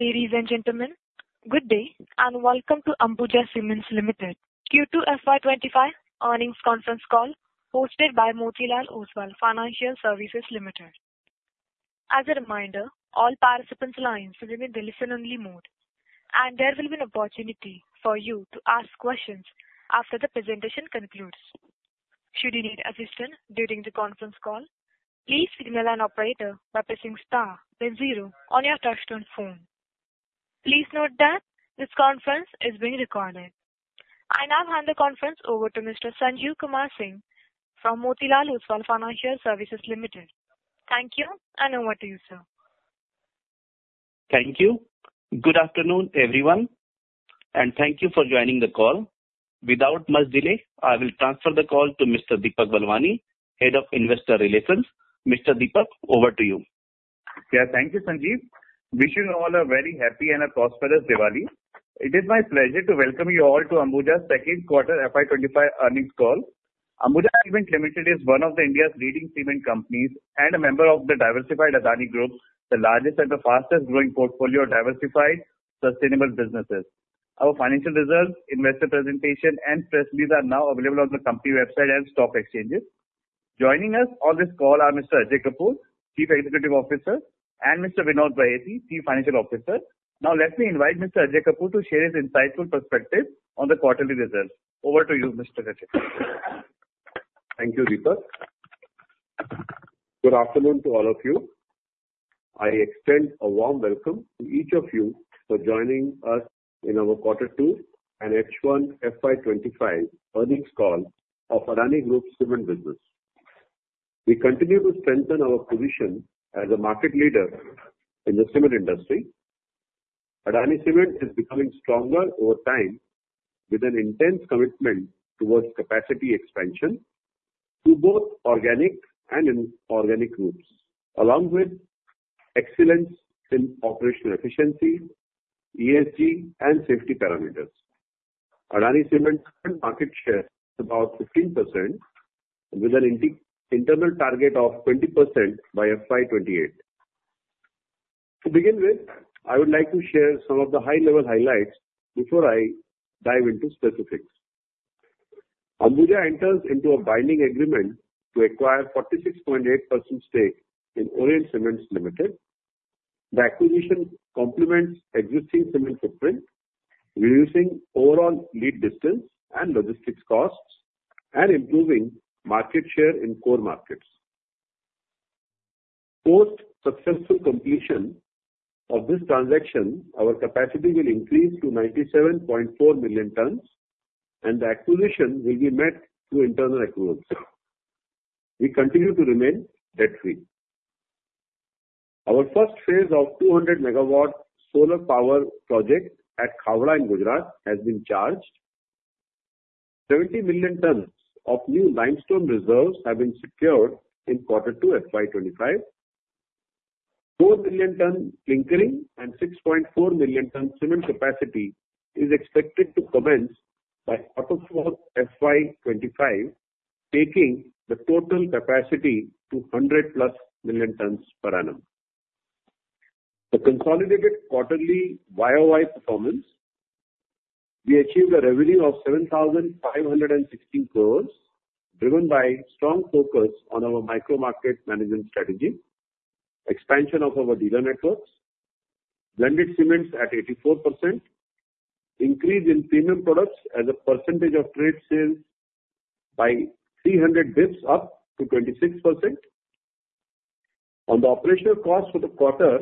...Ladies and gentlemen, good day, and welcome to Ambuja Cements Limited, Q2 FY 2025 earnings conference call, hosted by Motilal Oswal Financial Services Limited. As a reminder, all participants' lines will be in the listen-only mode, and there will be an opportunity for you to ask questions after the presentation concludes. Should you need assistance during the conference call, please signal an operator by pressing star then zero on your touchtone phone. Please note that this conference is being recorded. I now hand the conference over to Mr. Sanjiv Kumar Singh from Motilal Oswal Financial Services Limited. Thank you, and over to you, sir. Thank you. Good afternoon, everyone, and thank you for joining the call. Without much delay, I will transfer the call to Mr. Deepak Balwani, Head of Investor Relations. Mr. Deepak, over to you. Yeah. Thank you, Sanjiv. Wishing you all a very happy and a prosperous Diwali. It is my pleasure to welcome you all to Ambuja's second quarter FY2025 earnings call. Ambuja Cements Limited is one of India's leading cement companies and a member of the diversified Adani Group, the largest and the fastest growing portfolio of diversified, sustainable businesses. Our financial results, investor presentation, and press release are now available on the company website and stock exchanges. Joining us on this call are Mr. Ajay Kapur, Chief Executive Officer, and Mr. Vinod Bahety, Chief Financial Officer. Now let me invite Mr. Ajay Kapur to share his insightful perspective on the quarterly results. Over to you, Mr. Ajay. Thank you, Deepak. Good afternoon to all of you. I extend a warm welcome to each of you for joining us in our Quarter two and H1 FY 2025 earnings call of Adani Group cement business. We continue to strengthen our position as a market leader in the cement industry. Adani Cement is becoming stronger over time, with an intense commitment towards capacity expansion to both organic and inorganic groups, along with excellence in operational efficiency, ESG, and safety parameters. Adani Cement current market share is about 15%, with an internal target of 20% by FY 2028. To begin with, I would like to share some of the high-level highlights before I dive into specifics. Ambuja enters into a binding agreement to acquire 46.8% stake in Orient Cement Limited. The acquisition complements existing cement footprint, reducing overall lead distance and logistics costs and improving market share in core markets. Post successful completion of this transaction, our capacity will increase to 97.4 million tons, and the acquisition will be met through internal accruals. We continue to remain debt-free. Our first phase of 200-megawatt solar power project at Khavda, in Gujarat, has been charged. 70 million tons of new limestone reserves have been secured in quarter two, FY 2025. 4 million ton clinker and 6.4 million ton cement capacity is expected to commence by quarter four, FY 2025, taking the total capacity to 100+ million tons per annum. The consolidated quarterly YOY performance: We achieved a revenue of 7,516 crore, driven by strong focus on our micro market management strategy, expansion of our dealer networks, blended cements at 84%, increase in premium products as a percentage of trade sales by 300 basis points up to 26%. On the operational cost for the quarter,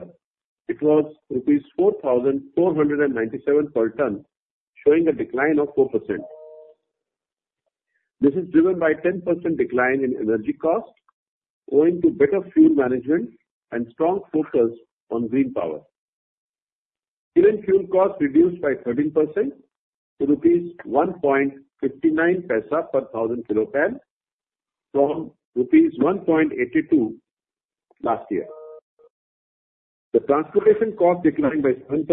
it was rupees 4,497 per ton, showing a decline of 4%. This is driven by 10% decline in energy cost, owing to better fuel management and strong focus on green power. Even fuel costs reduced by 13% to rupees 1.59 per 1,000 kcal, from rupees 1.82 last year. The transportation cost declined by 7%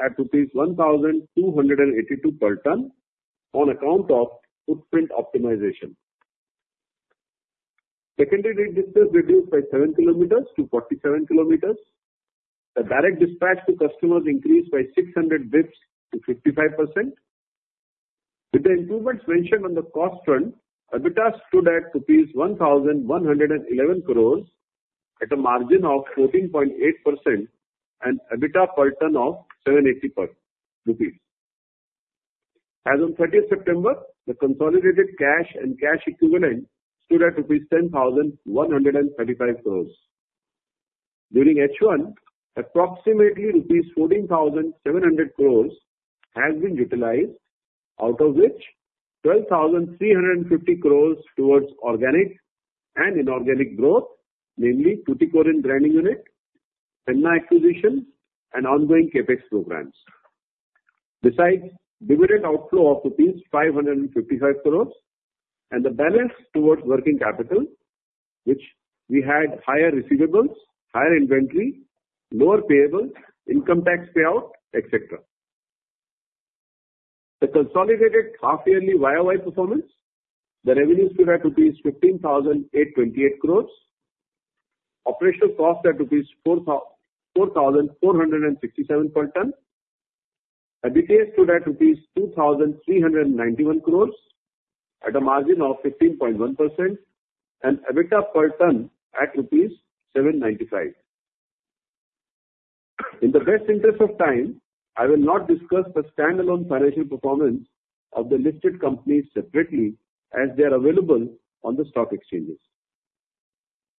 at rupees 1,282 per ton on account of footprint optimization. Secondary rate distance reduced by 7 km to 47 km. The direct dispatch to customers increased by six hundred basis points to 55%. With the improvements mentioned on the cost front, EBITDA stood at 1,111 crore at a margin of 14.8% and EBITDA per ton of 780 rupees. As of thirtieth September, the consolidated cash and cash equivalent stood at rupees 10,135 crore. During H1, approximately rupees 14,700 crore has been utilized, out of which 12,350 crore towards organic and inorganic growth, mainly Tuticorin grinding unit, Penna acquisitions, and ongoing CapEx programs. Besides, dividend outflow of rupees 555 crore, and the balance towards working capital, which we had higher receivables, higher inventory, lower payable, income tax payout, et cetera. The consolidated half yearly YOY performance, the revenues stood at 15,828 crore. Operational cost at 4,467 per ton. EBITDA stood at rupees 2,391 crore, at a margin of 15.1%, and EBITDA per ton at rupees 795. In the best interest of time, I will not discuss the standalone financial performance of the listed companies separately, as they are available on the stock exchanges.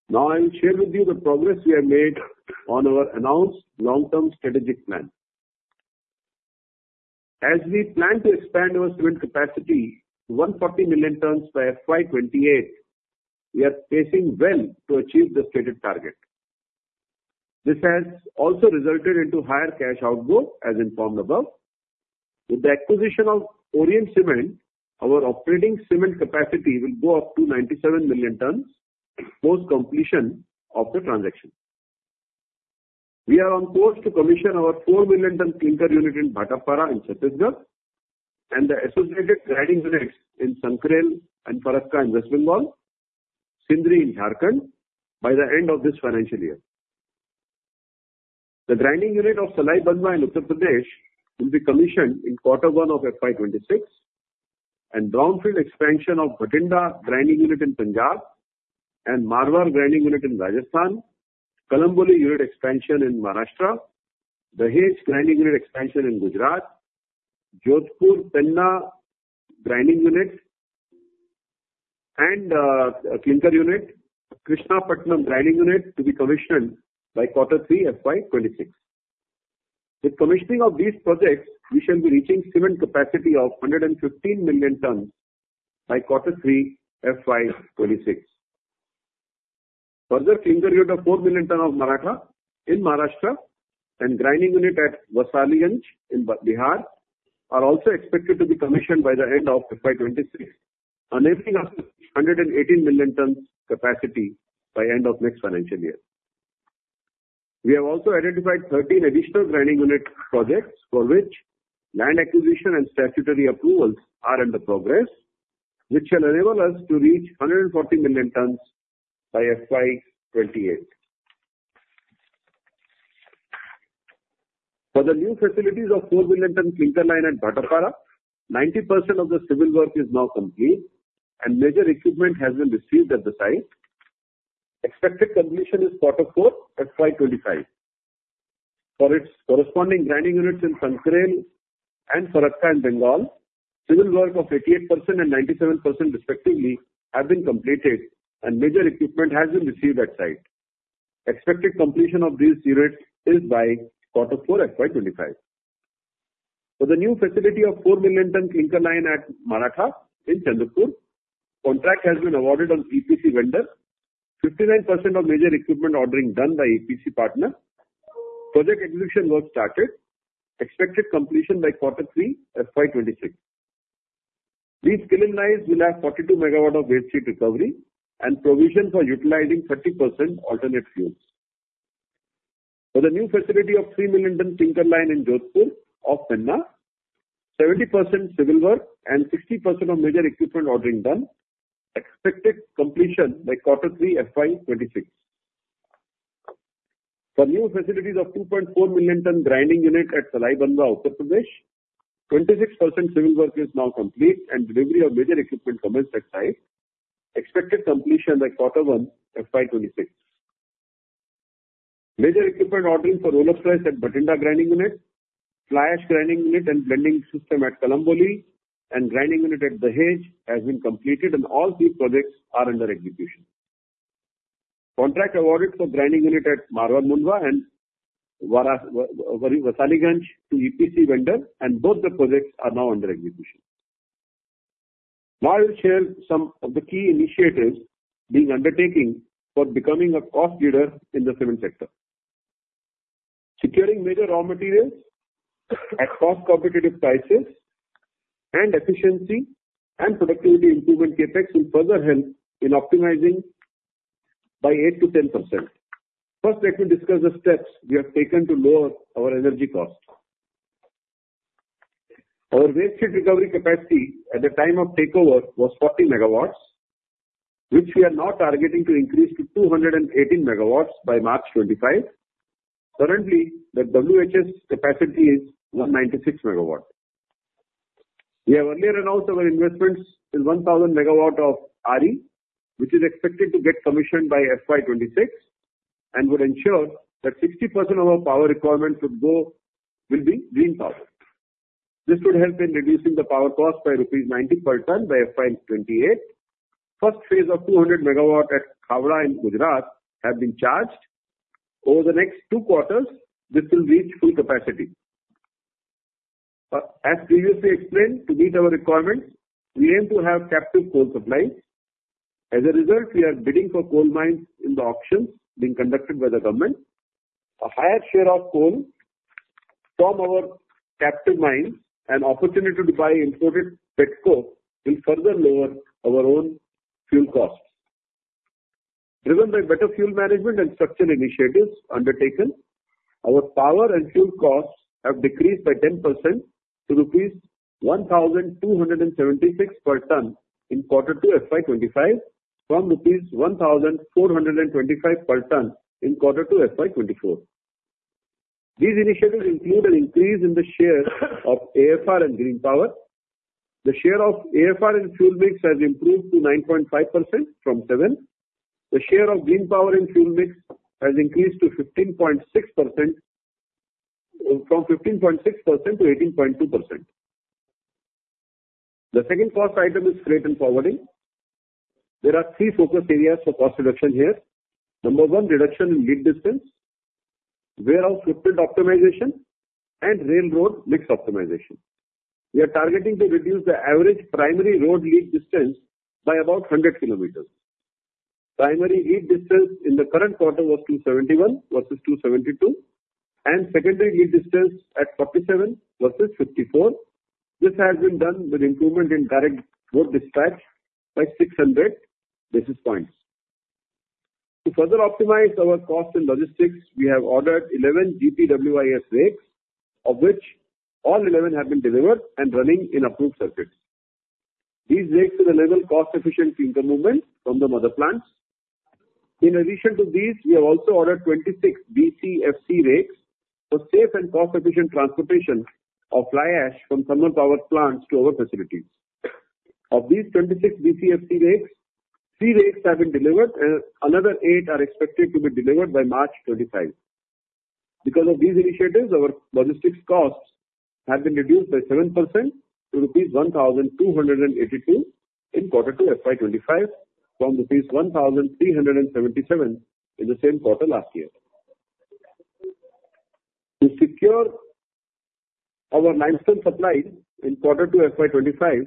Now, I will share with you the progress we have made on our announced long-term strategic plan. As we plan to expand our cement capacity to 140 million tons by FY 2028, we are pacing well to achieve the stated target. This has also resulted into higher cash outflow, as informed above. With the acquisition of Orient Cement, our operating cement capacity will go up to 97 million tons, post-completion of the transaction. We are on course to commission our 4 million ton clinker unit in Bhatapara in Chhattisgarh, and the associated grinding units in Sankrail and Farakka in West Bengal, Sindri in Jharkhand, by the end of this financial year. The grinding unit of Salai Banwa in Uttar Pradesh will be commissioned in Quarter One of FY 2026, and brownfield expansion of Bathinda grinding unit in Punjab and Marwar grinding unit in Rajasthan, Kalamboli unit expansion in Maharashtra, Dahej grinding unit expansion in Gujarat, Jodhpur, Tena grinding unit and clinker unit, Krishnapatnam grinding unit to be commissioned by Quarter Three, FY 2026. With commissioning of these projects, we shall be reaching cement capacity of 115 million tons by Quarter Three, FY 2026. Further, clinker unit of 4 million tons of Maratha in Maharashtra and grinding unit at Warsaliganj in Bihar are also expected to be commissioned by the end of FY 2023, enabling us 118 million tons capacity by end of next financial year. We have also identified 13 additional grinding unit projects, for which land acquisition and statutory approvals are under progress, which shall enable us to reach 140 million tons by FY 2028. For the new facilities of 4 million ton clinker line at Bhatapara, 90% of the civil work is now complete, and major equipment has been received at the site. Expected completion is Quarter Four, FY 2025. For its corresponding grinding units in Sankrail and Farakka in Bengal, civil work of 88% and 97% respectively have been completed, and major equipment has been received at site. Expected completion of these units is by Quarter Four, FY 2025. For the new facility of 4 million ton clinker line at Maratha in Chandrapur, contract has been awarded on EPC vendor. 59% of major equipment ordering done by EPC partner. Project execution work started. Expected completion by Quarter Three, FY 2026. These clinker lines will have 42 megawatts of waste heat recovery and provision for utilizing 30% alternate fuels. For the new facility of 3 million-ton clinker line in Jodhpur of Tena, 70% civil work and 60% of major equipment ordering done. Expected completion by Quarter Three, FY 2026. For new facilities of 2.4 million-ton grinding unit at Salai Banwa, Uttar Pradesh, 26% civil work is now complete, and delivery of major equipment commenced at site. Expected completion by Quarter One, FY 2026. Major equipment ordering for roller press at Bathinda grinding unit, fly ash grinding unit and blending system at Kalamboli, and grinding unit at Dahej has been completed, and all three projects are under execution. Contract awarded for grinding unit at Marwar Mundwa and Warsaliganj to EPC vendor, and both the projects are now under execution. Now, I will share some of the key initiatives being undertaking for becoming a cost leader in the cement sector. Securing major raw materials at cost competitive prices and efficiency and productivity improvement effects will further help in optimizing by eight to 10%. First, let me discuss the steps we have taken to lower our energy cost. Our waste heat recovery capacity at the time of takeover was 40 megawatts, which we are now targeting to increase to 218 megawatts by March 2025. Currently, the WHRS capacity is 196 megawatts. We have earlier announced our investments in 1,000 megawatts of RE, which is expected to get commissioned by FY 2026, and would ensure that 60% of our power requirements would go, will be green power. This would help in reducing the power cost by rupees 90 per ton by FY 2028. First phase of 200 megawatts at Khavda in Gujarat have been charged. Over the next 2 quarters, this will reach full capacity. As previously explained, to meet our requirements, we aim to have captive coal supplies. As a result, we are bidding for coal mines in the auctions being conducted by the government. A higher share of coal from our captive mines and opportunity to buy imported pet coke will further lower our own fuel costs.... Driven by better fuel management and structural initiatives undertaken, our power and fuel costs have decreased by 10% to rupees 1,276 per ton in quarter two FY 2025, from rupees 1,425 per ton in quarter two FY 2024. These initiatives include an increase in the share of AFR and green power. The share of AFR in fuel mix has improved to 9.5% from 7. The share of green power in fuel mix has increased to 15.6%, from 15.6% to 18.2%. The second cost item is freight and forwarding. There are three focus areas for cost reduction here. Number one, reduction in lead distance, warehouse footprint optimization, and railroad mix optimization. We are targeting to reduce the average primary road lead distance by about 100 km. Primary lead distance in the current quarter was 271 versus 272, and secondary lead distance at 47 versus 54. This has been done with improvement in direct road dispatch by 600 basis points. To further optimize our cost and logistics, we have ordered 11 GPWIS rakes, of which all 11 have been delivered and running in approved circuits. These rakes enable cost-efficient intermovement from the mother plants. In addition to these, we have also ordered 26 BCFC rakes for safe and cost-efficient transportation of fly ash from thermal power plants to our facilities. Of these 26 BCFC rakes, three rakes have been delivered and another eight are expected to be delivered by March 2025. Because of these initiatives, our logistics costs have been reduced by 7% to 1,282 in quarter two FY 2025, from 1,377 in the same quarter last year. To secure our limestone supply in quarter two FY 2025,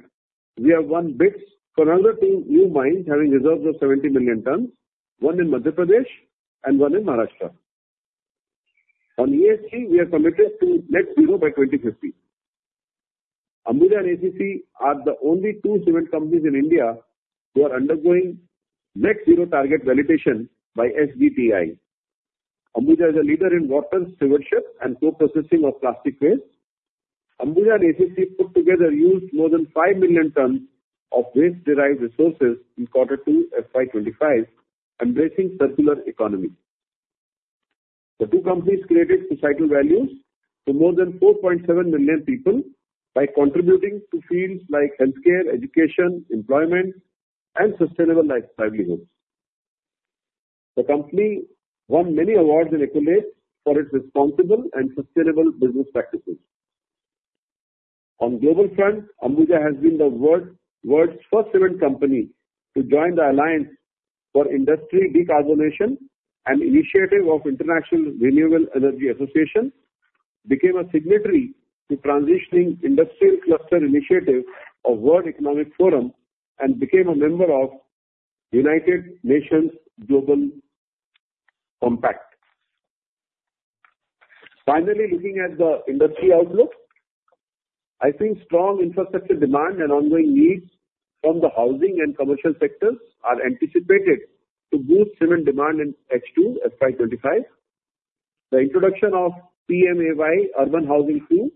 we have won bids for another two new mines, having reserves of 70 million tons, one in Madhya Pradesh and one in Maharashtra. On ESG, we are committed to net zero by 2050. Ambuja and ACC are the only two cement companies in India who are undergoing net zero target validation by SBTi. Ambuja is a leader in water stewardship and post-processing of plastic waste. Ambuja and ACC put together used more than 5 million tons of waste-derived resources in quarter two FY 2025, embracing circular economy. The two companies created societal values for more than four point seven million people by contributing to fields like healthcare, education, employment, and sustainable life livelihoods. The company won many awards and accolades for its responsible and sustainable business practices. On global front, Ambuja has been the world's first cement company to join the Alliance for Industry Decarbonization, an initiative of International Renewable Energy Agency, became a signatory to Transitioning Industrial Cluster Initiative of World Economic Forum, and became a member of United Nations Global Compact. Finally, looking at the industry outlook, I think strong infrastructure demand and ongoing needs from the housing and commercial sectors are anticipated to boost cement demand in FY 2025. The introduction of PMAY Urban Housing Scheme,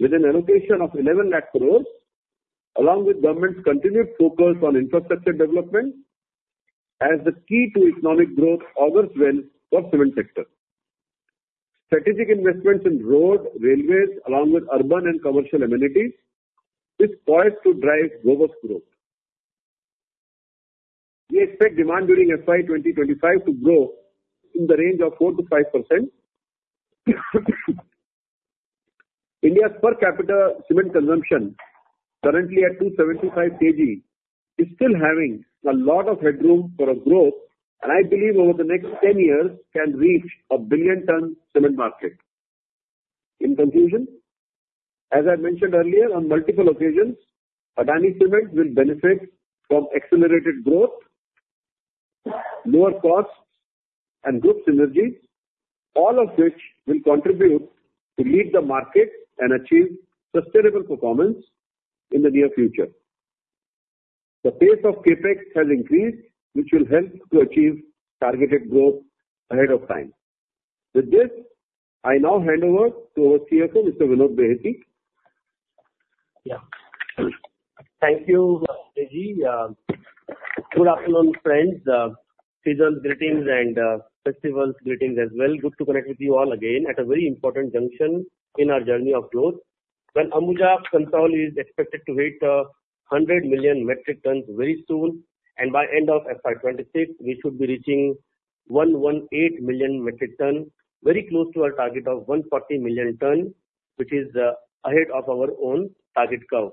with an allocation of 11 lakh crore, along with government's continued focus on infrastructure development as the key to economic growth, augurs well for cement sector. Strategic investments in road, railways, along with urban and commercial amenities, is poised to drive robust growth. We expect demand during FY 2025 to grow in the range of 4%-5%. India's per capita cement consumption, currently at 275 kg, is still having a lot of headroom for a growth, and I believe over the next 10 years can reach a billion ton cement market. In conclusion, as I mentioned earlier on multiple occasions, Adani Cement will benefit from accelerated growth, lower costs, and group synergies, all of which will contribute to lead the market and achieve sustainable performance in the near future. The pace of CapEx has increased, which will help to achieve targeted growth ahead of time. With this, I now hand over to our CFO, Mr. Vinod Bahety. Yeah. Thank you, Ajayji, good afternoon, friends. Seasonal greetings and festival greetings as well. Good to connect with you all again at a very important junction in our journey of growth. When Ambuja Cements is expected to hit 100 million metric tons very soon, and by end of FY 2026, we should be reaching 118 million metric tons, very close to our target of 140 million tons, which is ahead of our own target curve.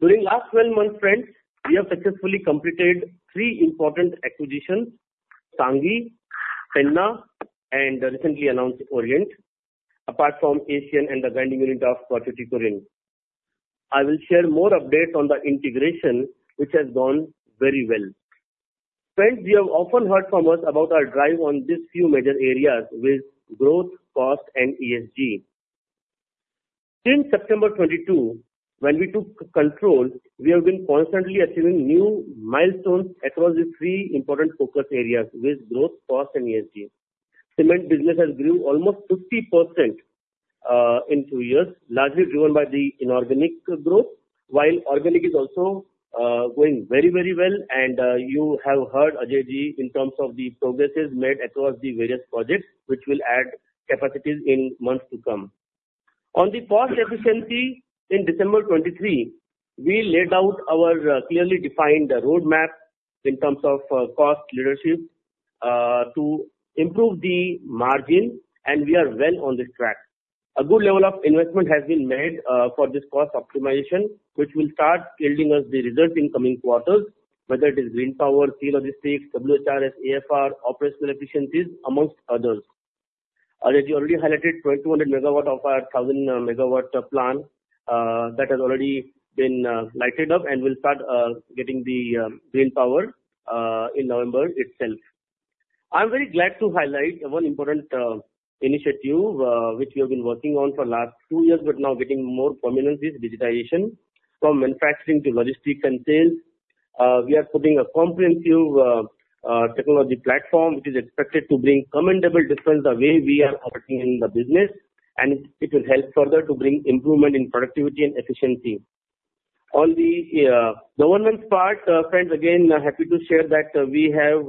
During last 12 months, friends, we have successfully completed three important acquisitions: Sanghi, Tanna, and the recently announced Orient, apart from Asian and the grinding unit of Thoothukudi. I will share more updates on the integration, which has gone very well. Friends, you have often heard from us about our drive on these few major areas with growth, cost, and ESG. Since September twenty-two, when we took control, we have been constantly achieving new milestones across the three important focus areas, which growth, cost, and ESG. Cement business has grew almost 50%, in two years, largely driven by the inorganic growth, while organic is also, going very, very well. And you have heard Ajayji, in terms of the progresses made across the various projects, which will add capacities in months to come. On the cost efficiency, in December twenty-three, we laid out our, clearly defined roadmap in terms of, cost leadership, to improve the margin, and we are well on the track. A good level of investment has been made, for this cost optimization, which will start yielding us the result in coming quarters, whether it is green power, field logistics, WHRS, AFR, operational efficiencies, among others. Ajayji already highlighted twenty-two hundred megawatt of our thousand megawatt plan, that has already been lighted up, and will start getting the green power in November itself. I'm very glad to highlight one important initiative, which we have been working on for last two years, but now getting more prominence, is digitization. From manufacturing to logistic and sales, we are putting a comprehensive technology platform, which is expected to bring commendable difference the way we are operating in the business, and it will help further to bring improvement in productivity and efficiency. On the governance part, friends, again, I'm happy to share that we have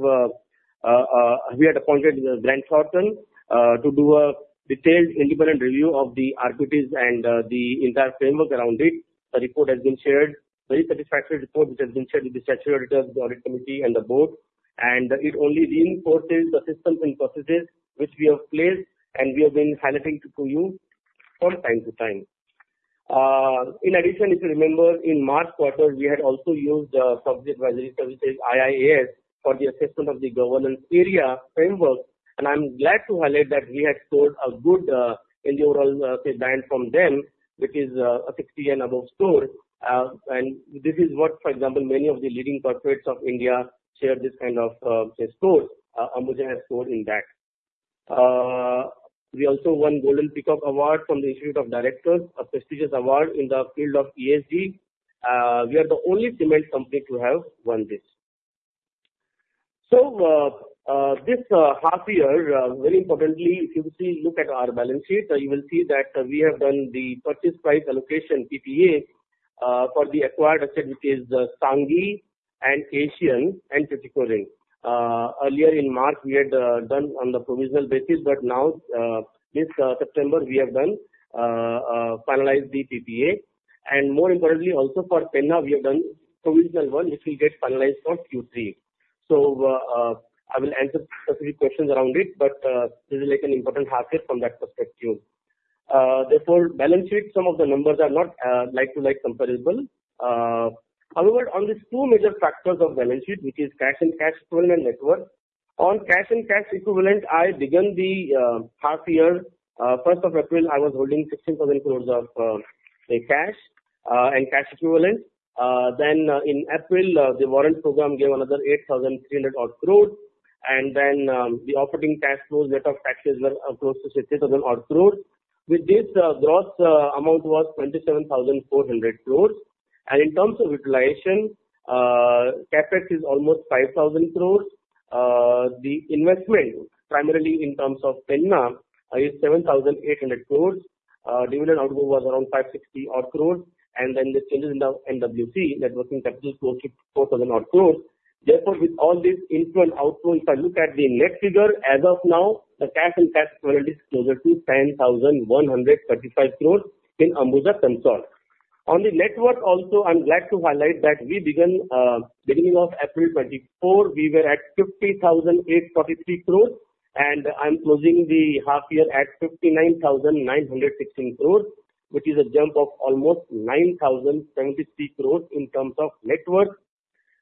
we had appointed Grant Thornton to do a detailed independent review of the RPTs and the entire framework around it. The report has been shared. Very satisfactory report, which has been shared with the statutory returns, the audit committee and the board, and it only reinforces the systems and processes which we have placed, and we have been highlighting to you from time to time. In addition, if you remember, in March quarter, we had also used IiAS for the assessment of the governance area framework, and I'm glad to highlight that we had scored a good in the overall say band from them, which is a 60 and above score. And this is what, for example, many of the leading corporates of India share this kind of say score. Ambuja has scored in that. We also won Golden Peacock Award from the Institute of Directors, a prestigious award in the field of ESG. We are the only cement company to have won this. This half year, very importantly, if you see, look at our balance sheet, you will see that we have done the purchase price allocation, PPA, for the acquired asset, which is the Sanghi and Asian and Penna. Earlier in March, we had done on the provisional basis, but now, this September, we have done finalized the PPA. And more importantly, also for Penna, we have done provisional one, which will get finalized for Q3. I will answer specific questions around it, but this is like an important half year from that perspective. Therefore, balance sheet, some of the numbers are not like-to-like comparable. However, on these two major factors of balance sheet, which is cash and cash equivalents, net working capital. On cash and cash equivalent, I began the half year first of April. I was holding 16,000 crore of, say, cash and cash equivalent. Then in April, the warrant program gave another 8,300 crore. And then the operating cash flows, net of taxes, were close to 60,000 crore. With this, gross amount was 27,400 crore. And in terms of utilization, CapEx is almost 5,000 crore. The investment, primarily in terms of Penna, is 7,800 crore. Dividend outgo was around 560 crore, and then the changes in the NWC, net working capital, 464 crore. Therefore, with all these inflow and outflow, if I look at the net figure as of now, the cash and cash quality is closer to 10,135 crore in Ambuja consolidated. On the net worth also, I'm glad to highlight that we began beginning of April 2024, we were at 50,833 crore, and I'm closing the half year at 59,916 crore, which is a jump of almost 9,073 crore in terms of net worth.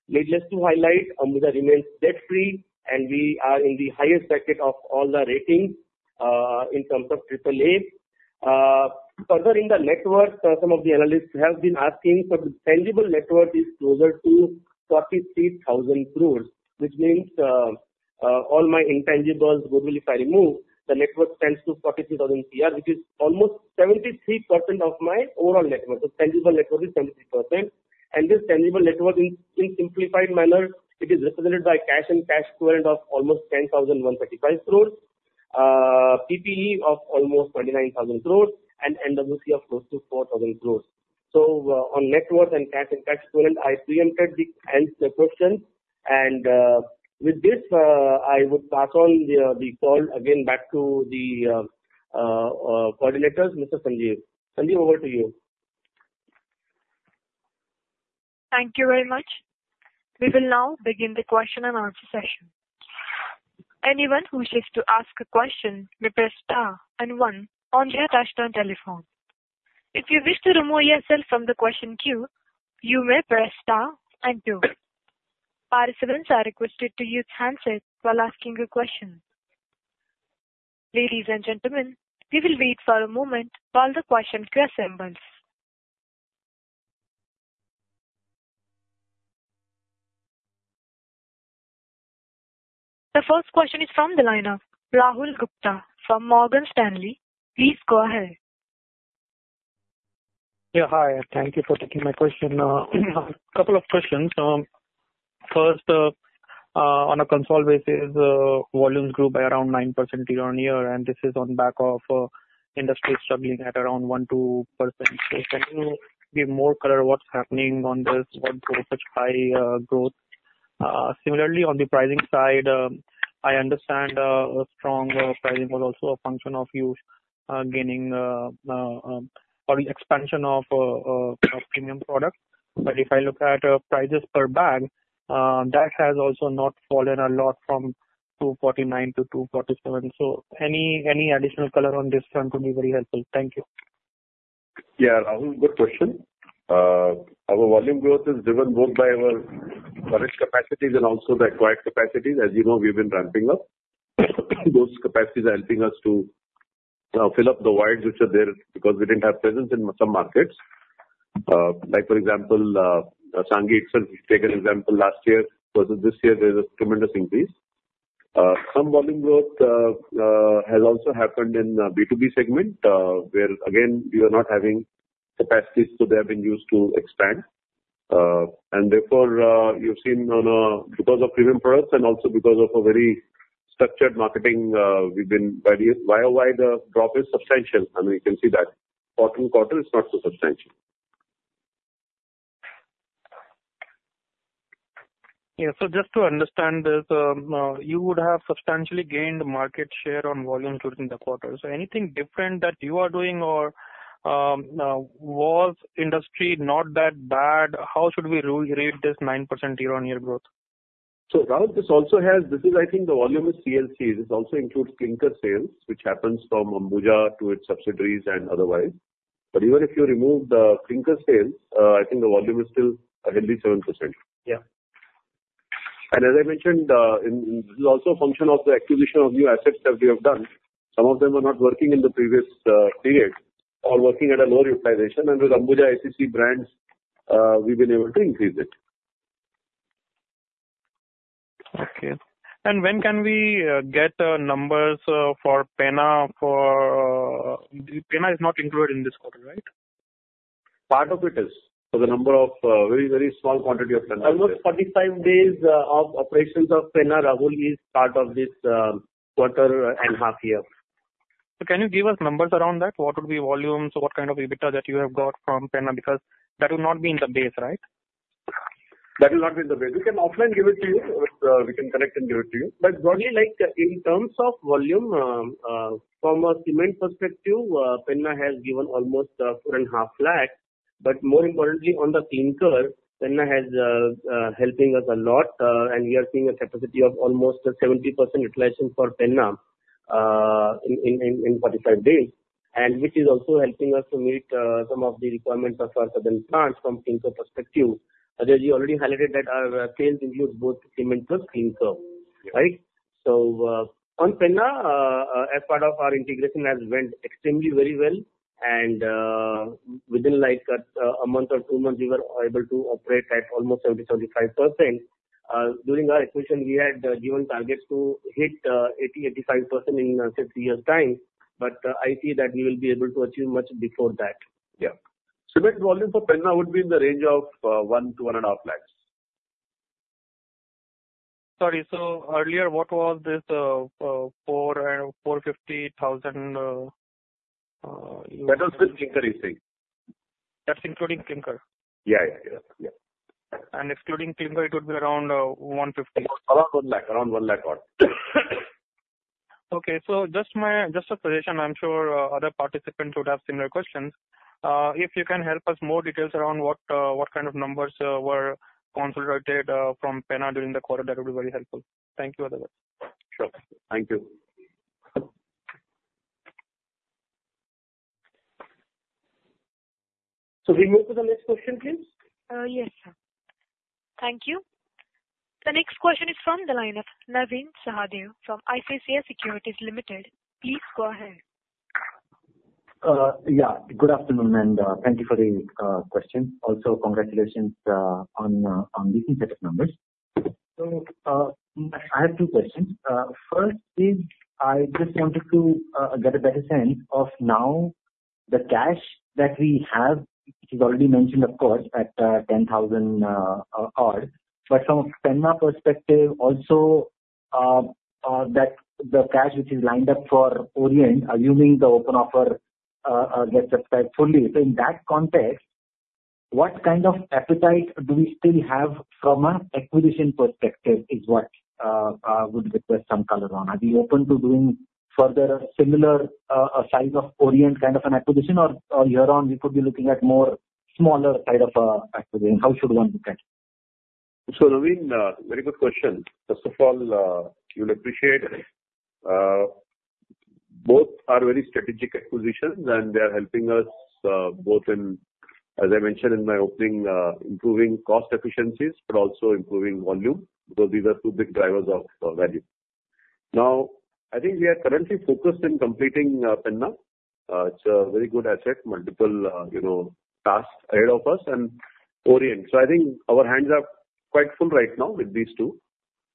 Needless to highlight, Ambuja remains debt-free, and we are in the highest bracket of all the ratings in terms of triple A. Further in the network, some of the analysts have been asking, so the tangible network is closer to 43,000 crore, which means, all my intangibles, goodwill, if I remove, the network stands to 43,000 crore, which is almost 73% of my overall network. The tangible network is 73%, and this tangible network in simplified manner, it is represented by cash and cash equivalent of almost 10,135 crore, PPE of almost 29,000 crore, and NWC of close to 4,000 crore. So, on network and cash and cash equivalent, I preempted the question. With this, I would pass on the call again back to the coordinators, Mr. Sanjiv. Sanjiv, over to you. Thank you very much. We will now begin the question-and-answer session. Anyone who wishes to ask a question may press star and one on your touchtone telephone. If you wish to remove yourself from the question queue, you may press star and two. Participants are requested to use handsets while asking a question. Ladies and gentlemen, we will wait for a moment while the questions were assembled... The first question is from the line of Rahul Gupta from Morgan Stanley. Please go ahead. Yeah, hi, thank you for taking my question. A couple of questions. First, on a consolidated basis, volumes grew by around 9% year-on-year, and this is on back of industry struggling at around 1-2%. So can you give more color on what's happening on this, what drove such high growth? Similarly, on the pricing side, I understand a strong pricing was also a function of you gaining or the expansion of premium products. But if I look at prices per bag, that has also not fallen a lot from 249 to 247. So any additional color on this front will be very helpful. Thank you. Yeah, Rahul, good question. Our volume growth is driven both by our current capacities and also the acquired capacities. As you know, we've been ramping up. Those capacities are helping us to fill up the voids which are there because we didn't have presence in some markets. Like, for example, Sangi itself, we take an example, last year versus this year, there's a tremendous increase. Some volume growth has also happened in the B2B segment, where again, we are not having capacities, so they have been used to expand. And therefore, you've seen on a because of premium products and also because of a very structured marketing, we've been very. Year-over-year, the drop is substantial, and we can see that. Quarter-to-quarter is not so substantial. Yeah. So just to understand this, you would have substantially gained market share on volume during the quarter. So anything different that you are doing or, was industry not that bad? How should we rule, rate this 9% year-on-year growth? So, Rahul, this also has... This is, I think, the volume is CLC. This also includes clinker sales, which happens from Ambuja to its subsidiaries and otherwise. But even if you remove the clinker sales, I think the volume is still a healthy 7%. Yeah. And as I mentioned, this is also a function of the acquisition of new assets that we have done. Some of them were not working in the previous period or working at a lower utilization. And with Ambuja ACC brands, we've been able to increase it. Okay. And when can we get numbers for Penna? For Penna is not included in this quarter, right? Part of it is. So the number of very, very small quantity of Penna. Almost forty-five days of operations of Penna, Rahul, is part of this quarter and half year. So can you give us numbers around that? What would be volumes, what kind of EBITDA that you have got from Penna? Because that will not be in the base, right? That will not be in the base. We can offline give it to you. We can collect and give it to you. But broadly, like, in terms of volume, from a cement perspective, Penna has given almost four and a half lakh. But more importantly, on the clinker, Penna has helping us a lot, and we are seeing a capacity of almost 70% utilization for Penna in 45 days, and which is also helping us to meet some of the requirements of our southern plants from clinker perspective. As you already highlighted, that our sales include both cement plus clinker, right? Yeah. On Penna, as part of our integration, has went extremely very well. Within, like, a month or two months, we were able to operate at almost 70-75%. During our acquisition, we had given targets to hit, 80-85% in, say, three years' time, but I see that we will be able to achieve much before that. Yeah. Cement volume for Penna would be in the range of one to one and a half lakhs. Sorry, so earlier, what was this, four fifty thousand, That was with clinker, you see. That's including clinker? Yeah, yeah, yeah. And excluding clinker, it would be around one fifty. Around one lakh, around one lakh odd. Okay. So just a clarification, I'm sure other participants would have similar questions. If you can help us more details around what kind of numbers were consolidated from Penna during the quarter, that would be very helpful. Thank you, Ajay. Sure. Thank you. So we move to the next question, please? Yes, sir. Thank you. The next question is from the line of Navin Sahadeo from ICICI Securities Limited. Please go ahead. Yeah, good afternoon, and thank you for the question. Also, congratulations on the set of numbers. So, I have two questions. First is, I just wanted to get a better sense of now the cash that we have, which is already mentioned, of course, at 10,000 odd. But from a Penna perspective, also, that the cash which is lined up for Orient, assuming the open offer gets subscribed fully. So in that context, what kind of appetite do we still have from an acquisition perspective is what would request some color on. Are we open to doing further similar size of Orient kind of an acquisition? Or, or here on we could be looking at more smaller side of acquisition. How should one look at it? So, Naveen, very good question. First of all, you'll appreciate, both are very strategic acquisitions, and they are helping us, both in, as I mentioned in my opening, improving cost efficiencies, but also improving volume, because these are two big drivers of, value. Now, I think we are currently focused in completing, Penna. It's a very good asset, multiple, you know, tasks ahead of us and Orient. So I think our hands are quite full right now with these two.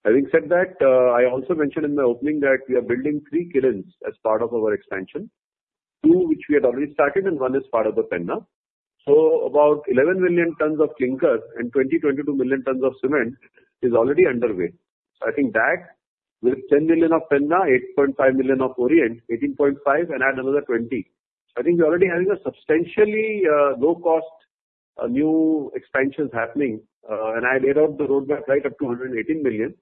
Having said that, I also mentioned in my opening that we are building three kilns as part of our expansion, two which we had already started and one is part of the Penna. So about 11 million tons of clinker and twenty, twenty-two million tons of cement is already underway. So I think that with 10 million of Penna, 8.5 million of Orient, 18.5, and add another 20. So I think we're already having a substantially low cost new expansions happening. And I laid out the roadmap, right, up to 118 million.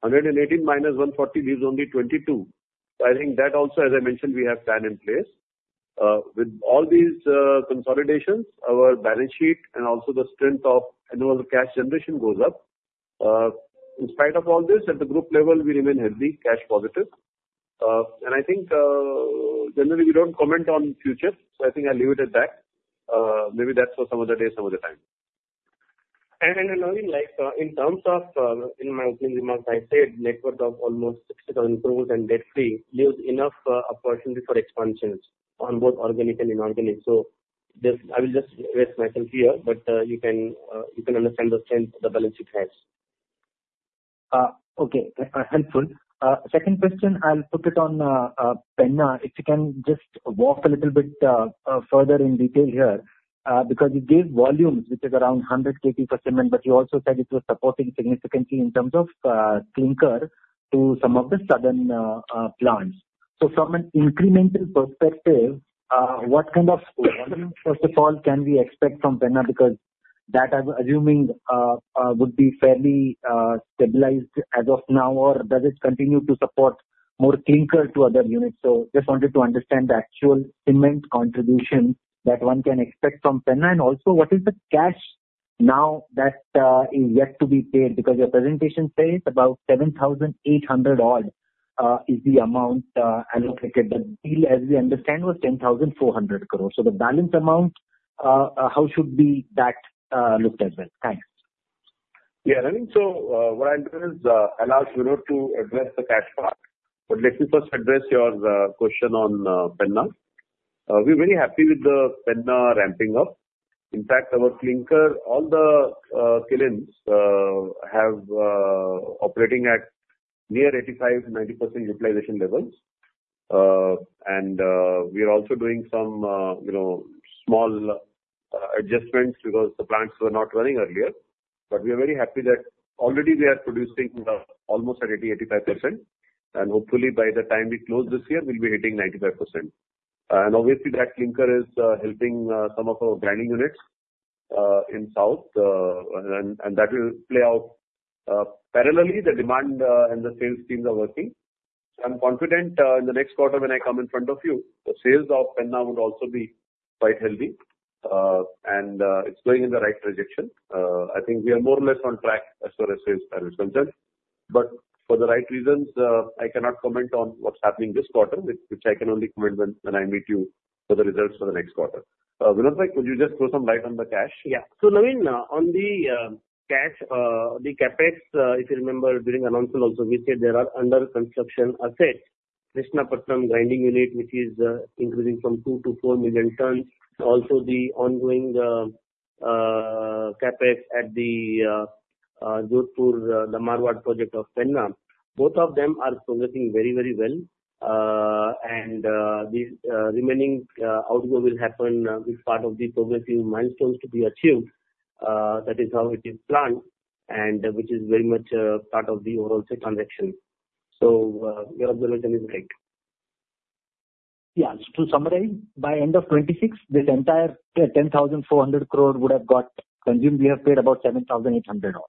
118 minus 140 leaves only 22. So I think that also, as I mentioned, we have plan in place. With all these consolidations, our balance sheet and also the strength of annual cash generation goes up. In spite of all this, at the group level, we remain healthy, cash positive. And I think, generally, we don't comment on future, so I think I'll leave it at that. Maybe that's for some other day, some other time. Navin, like, in terms of, in my remarks, I said net worth of almost 60,000 crore and debt-free leaves enough opportunity for expansions on both organic and inorganic. So just... I will just rest myself here, but you can understand the strength the balance sheet has. Okay, helpful. Second question, I'll put it on Penna. If you can just walk a little bit further in detail here, because you gave volumes, which is around 100 KT for cement, but you also said it was supporting significantly in terms of clinker to some of the southern plants. So from an incremental perspective, what kind of volume, first of all, can we expect from Penna? Because that I'm assuming would be fairly stabilized as of now, or does it continue to support more clinker to other units? So just wanted to understand the actual cement contribution that one can expect from Penna. And also, what is the cash now that is yet to be paid? Because your presentation says about 7,800 odd is the amount allocated. The deal, as we understand, was 10,400 crore. So the balance amount, how should we look at that then? Thanks. Yeah, I mean, so, what I'll do is, allow Vinod to address the cash part. But let me first address your question on Penna. We're very happy with the Penna ramping up. In fact, our clinker, all the, kilns, have operating at near 85-90% utilization levels. And, we are also doing some, you know, small, adjustments because the plants were not running earlier. But we are very happy that already we are producing, almost at 80-85%, and hopefully by the time we close this year, we'll be hitting 95%. And obviously, that clinker is, helping, some of our grinding units, in South, and, that will play out. Parallelly, the demand, and the sales teams are working. I'm confident in the next quarter, when I come in front of you, the sales of Penna would also be quite healthy, and it's going in the right direction. I think we are more or less on track as far as sales are concerned, but for the right reasons, I cannot comment on what's happening this quarter, which I can only comment when I meet you for the results for the next quarter. Vinod, like, could you just throw some light on the cash? Yeah. So, Navin, on the cash, the CapEx, if you remember during announcement also, we said there are under construction assets, Krishnapatnam grinding unit, which is increasing from two to four million tons. Also, the ongoing CapEx at the Jodhpur, the Marwar project of Penna. Both of them are progressing very, very well. And the remaining outflow will happen with part of the progressive milestones to be achieved. That is how it is planned, and which is very much part of the overall transaction. So, your observation is right. Yeah. To summarize, by end of 2026, this entire 10,400 crore would have got consumed. We have paid about 7,800 odd.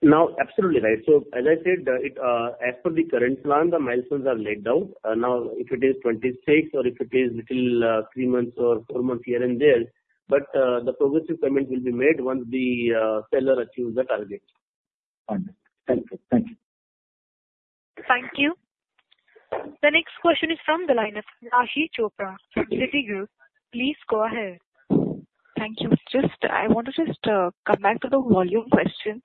Now, absolutely right. So as I said, it, as per the current plan, the milestones are laid out. Now, if it is twenty-six or if it is little, three months or four months here and there, but, the progressive payment will be made once the, seller achieves the target. Understood. Thank you. Thank you. Thank you. The next question is from the line of Raashi Chopra from Citigroup. Please go ahead. Thank you. Just... I want to just, come back to the volume question.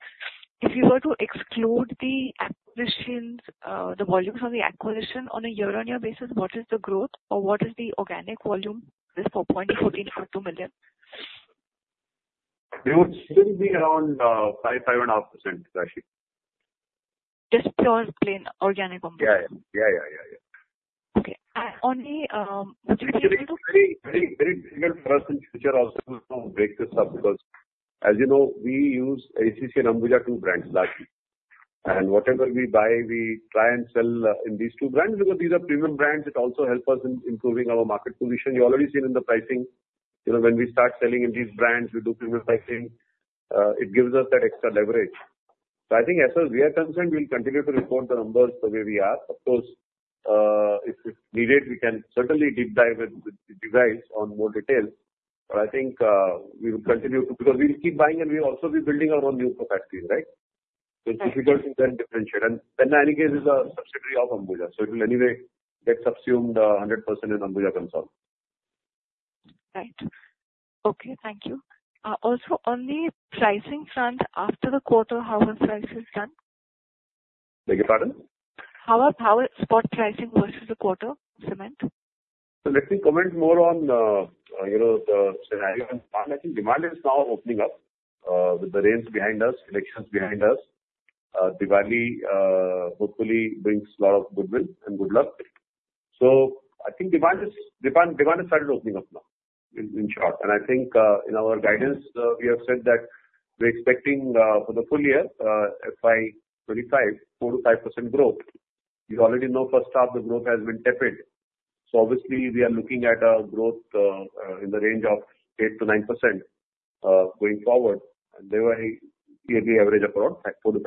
If you were to exclude the acquisitions, the volumes from the acquisition on a year-on-year basis, what is the growth or what is the organic volume? This for 14.2 million. It would still be around 5-5.5%, Raashi. Just pure, plain, organic volume? Yeah. Yeah, yeah, yeah, yeah. Okay, on the Very, very, very clear for us in future also to break this up, because as you know, we use ACC and Ambuja two brands, Raashi. And whatever we buy, we try and sell in these two brands, because these are premium brands. It also helps us in improving our market position. You've already seen in the pricing, you know, when we start selling in these brands, we do premium pricing. It gives us that extra leverage. So I think as far as we are concerned, we'll continue to report the numbers the way we are. Of course, if needed, we can certainly deep dive with the details on more detail, but I think we will continue to, because we'll keep buying and we'll also be building our own new capacities, right? Right. So it's difficult to then differentiate. And then, in any case, it's a subsidiary of Ambuja, so it will anyway get subsumed 100% in Ambuja Consol.... Right. Okay, thank you. Also on the pricing front, after the quarter, how was prices done? Beg your pardon? How is spot pricing versus the quarter, cement? So let me comment more on, you know, the scenario and I think demand is now opening up, with the rains behind us, elections behind us. Diwali, hopefully brings a lot of goodwill and good luck. So I think demand has started opening up now, in short, and I think, in our guidance, we have said that we're expecting, for the full year, FY 2025, 4-5% growth. You already know first half the growth has been tepid, so obviously we are looking at a growth, in the range of 8-9%, going forward. And they were a yearly average of around 4-5%.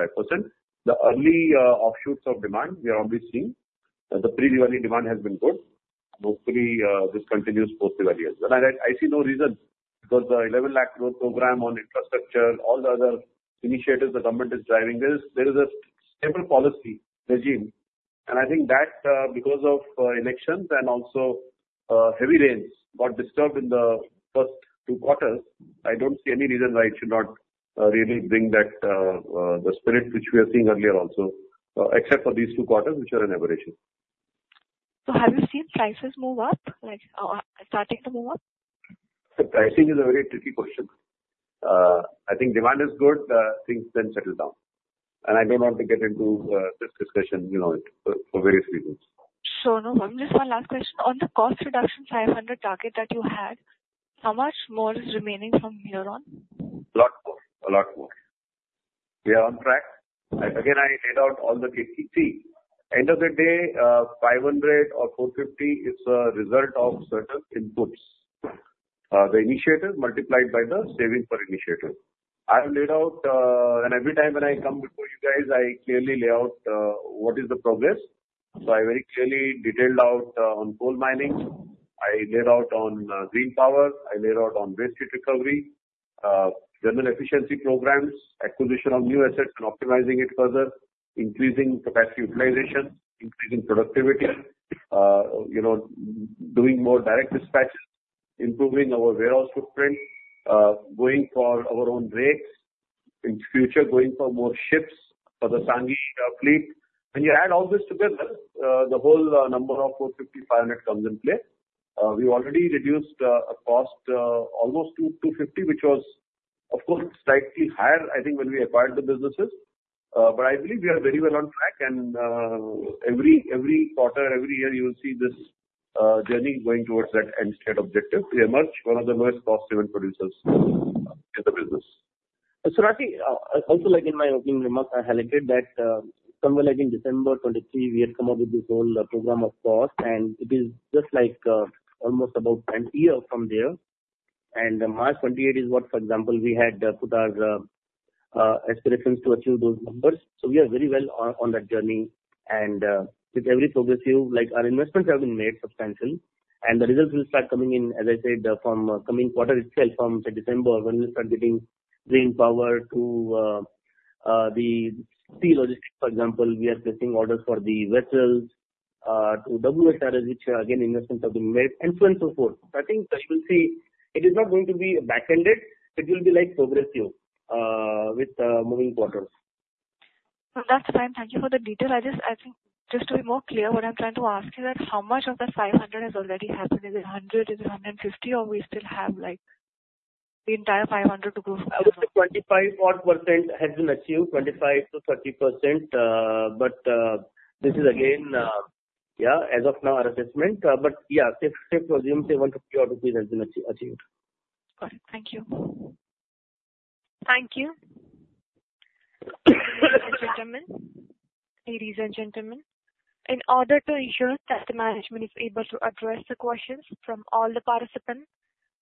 The early, offshoots of demand, we are already seeing, that the pre-Diwali demand has been good. Hopefully, this continues post-Diwali as well. And I see no reason because the eleven lakh growth program on infrastructure, all the other initiatives the government is driving, there is a stable policy regime. And I think that because of elections and also heavy rains got disturbed in the first two quarters. I don't see any reason why it should not really bring that the spirit which we are seeing earlier also, except for these two quarters, which are an aberration. So have you seen prices move up, like, starting to move up? Pricing is a very tricky question. I think demand is good, things then settle down, and I don't want to get into this discussion, you know, for various reasons. Sure. No, just one last question. On the cost reduction five hundred target that you had, how much more is remaining from here on? A lot more, a lot more. We are on track. Again, I laid out all the. See, end of the day, five hundred or four fifty is a result of certain inputs. The initiatives multiplied by the savings per initiative. I have laid out, and every time when I come before you guys, I clearly lay out what is the progress. So I very clearly detailed out on coal mining. I laid out on green power, I laid out on waste heat recovery, thermal efficiency programs, acquisition of new assets and optimizing it further, increasing capacity utilization, increasing productivity, you know, doing more direct dispatches, improving our warehouse footprint, going for our own rates. In future, going for more ships for the Sanghi fleet. When you add all this together, the whole number of 450-500 comes in play. We already reduced a cost almost to 250, which was, of course, slightly higher, I think, when we acquired the businesses. But I believe we are very well on track and every quarter, every year, you will see this journey going towards that end state objective. We emerged one of the most cost-effective producers in the business. So Rati, also, like in my opening remarks, I highlighted that, somewhere like in December 2023, we had come out with this whole program of cost, and it is just like, almost about a year from there. And March 2028 is what, for example, we had put our aspirations to achieve those numbers. So we are very well on that journey. And, with every progressive, like, our investments have been made substantial, and the results will start coming in, as I said, from coming quarter itself, from, say, December, when we start getting green power to the sea logistics, for example, we are placing orders for the vessels to double, which again, investments have been made and so and so forth. I think that you will see it is not going to be back-ended. It will be like progressive with moving quarters. That's fine. Thank you for the detail. I just, I think, just to be more clear, what I'm trying to ask you that how much of the five hundred has already happened? Is it hundred, is it hundred and fifty, or we still have, like, the entire five hundred to go? I would say 25 odd % has been achieved, 25% to 30%, but this is again, as of now, our assessment. Safe to assume say 150 odd has been achieved. Got it. Thank you. Thank you. Ladies and gentlemen, ladies and gentlemen, in order to ensure that the management is able to address the questions from all the participants,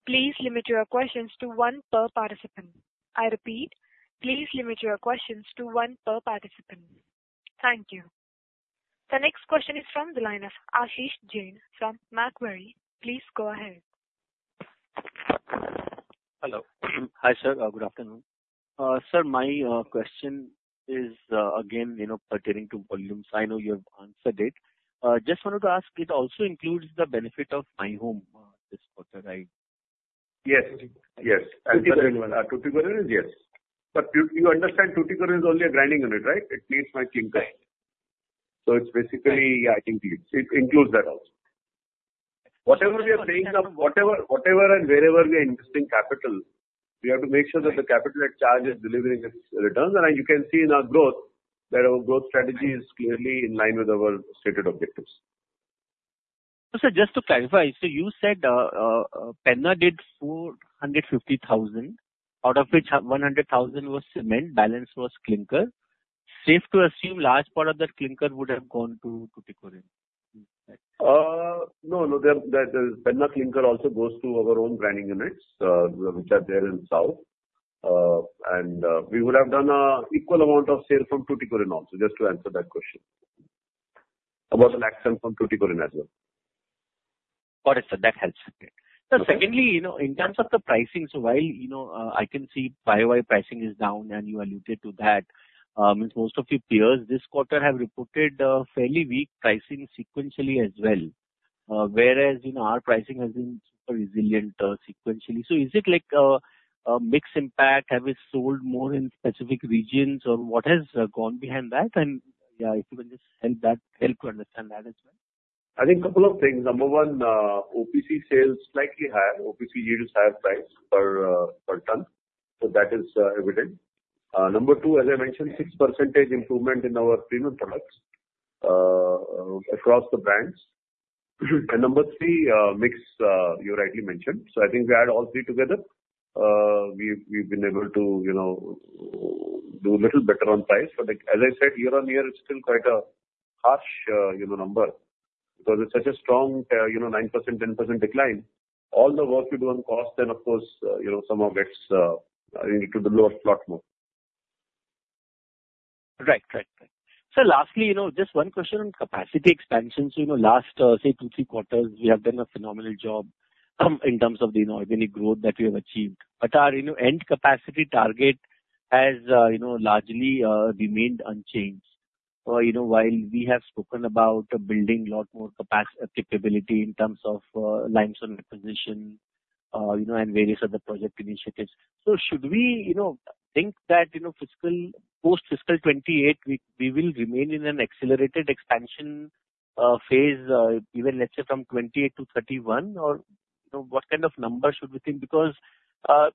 please limit your questions to one per participant. I repeat, please limit your questions to one per participant. Thank you. The next question is from the line of Ashish Jain from Macquarie. Please go ahead. Hello. Hi, sir. Good afternoon. Sir, my question is, again, you know, pertaining to volumes. I know you have answered it. Just wanted to ask, it also includes the benefit of My Home, this quarter, right? Yes, yes. Tuticorin Tuticorin, yes. But you understand Tuticorin is only a grinding unit, right? It needs my clinker. Right. So it's basically, I think it includes that also. Whatever we are paying up, whatever and wherever we are investing capital, we have to make sure that the capital at charge is delivering its returns. And you can see in our growth that our growth strategy is clearly in line with our stated objectives. Sir, just to clarify, so you said, Penna did four hundred and fifty thousand, out of which one hundred thousand was cement, balance was clinker. Safe to assume large part of that clinker would have gone to Thoothukudi? No, no. The Penna clinker also goes to our own grinding units, which are there in south. And we would have done an equal amount of sale from Tuticorin also, just to answer that question. About an equal extent from Tuticorin as well. Got it, sir. That helps. Okay. Sir, secondly, you know, in terms of the pricing, so while, you know, I can see FY pricing is down and you alluded to that, means most of your peers this quarter have reported, fairly weak pricing sequentially as well. Whereas, you know, our pricing has been super resilient, sequentially. So is it like a, a mixed impact? Have we sold more in specific regions, or what has gone behind that? And, yeah, if you can just help that, help to understand that as well. I think couple of things. Number one, OPC sales slightly higher. OPC yields higher price per ton, so that is evident. Number two, as I mentioned, 6% improvement in our premium products across the brands. And number three, mix, you rightly mentioned. So I think we add all three together, we've been able to, you know, do a little better on price. But as I said, year-on-year, it's still quite a harsh, you know, number because it's such a strong, you know, 9%, 10% decline. All the work you do on cost, then of course, you know, some of it gets into the lower slot more. Right. Sir, lastly, you know, just one question on capacity expansion. So, you know, last, say, two, three quarters, we have done a phenomenal job in terms of the inorganic growth that we have achieved. But our, you know, end capacity target has, you know, largely, remained unchanged. You know, while we have spoken about building a lot more capability in terms of, limestone acquisition, you know, and various other project initiatives. So should we, you know, think that, you know, fiscal, post-fiscal 2028, we will remain in an accelerated expansion phase, even let's say from 2028 to 2031? Or, you know, what kind of number should we think? Because,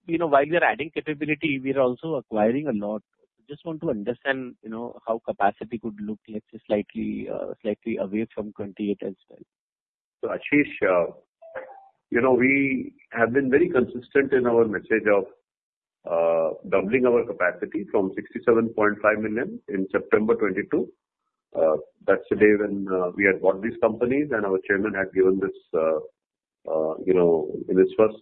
you know, while we are adding capability, we are also acquiring a lot. Just want to understand, you know, how capacity could look, let's say, slightly away from 28 as well. Ashish, you know, we have been very consistent in our message of doubling our capacity from 67.5 million in September 2022. That's the day when we had bought these companies, and our chairman had given this, you know, in his first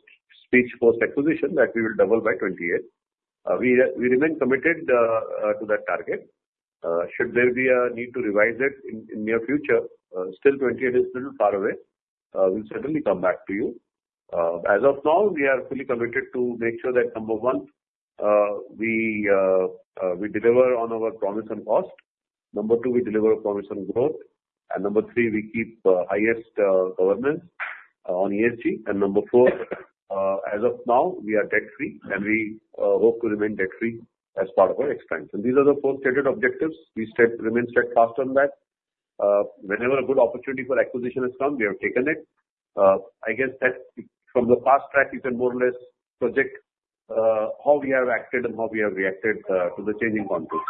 speech post-acquisition, that we will double by 2028. We remain committed to that target. Should there be a need to revise it in near future, still 2028 is a little far away, we'll certainly come back to you. As of now, we are fully committed to make sure that, number one, we deliver on our promise on cost. Number two, we deliver a promise on growth. And number three, we keep the highest governance on ESG. And number four, as of now, we are debt-free, and we hope to remain debt-free as part of our expansion. These are the four stated objectives. We stay, remain steadfast on that. Whenever a good opportunity for acquisition has come, we have taken it. I guess that from the past track, you can more or less project how we have acted and how we have reacted to the changing confluence.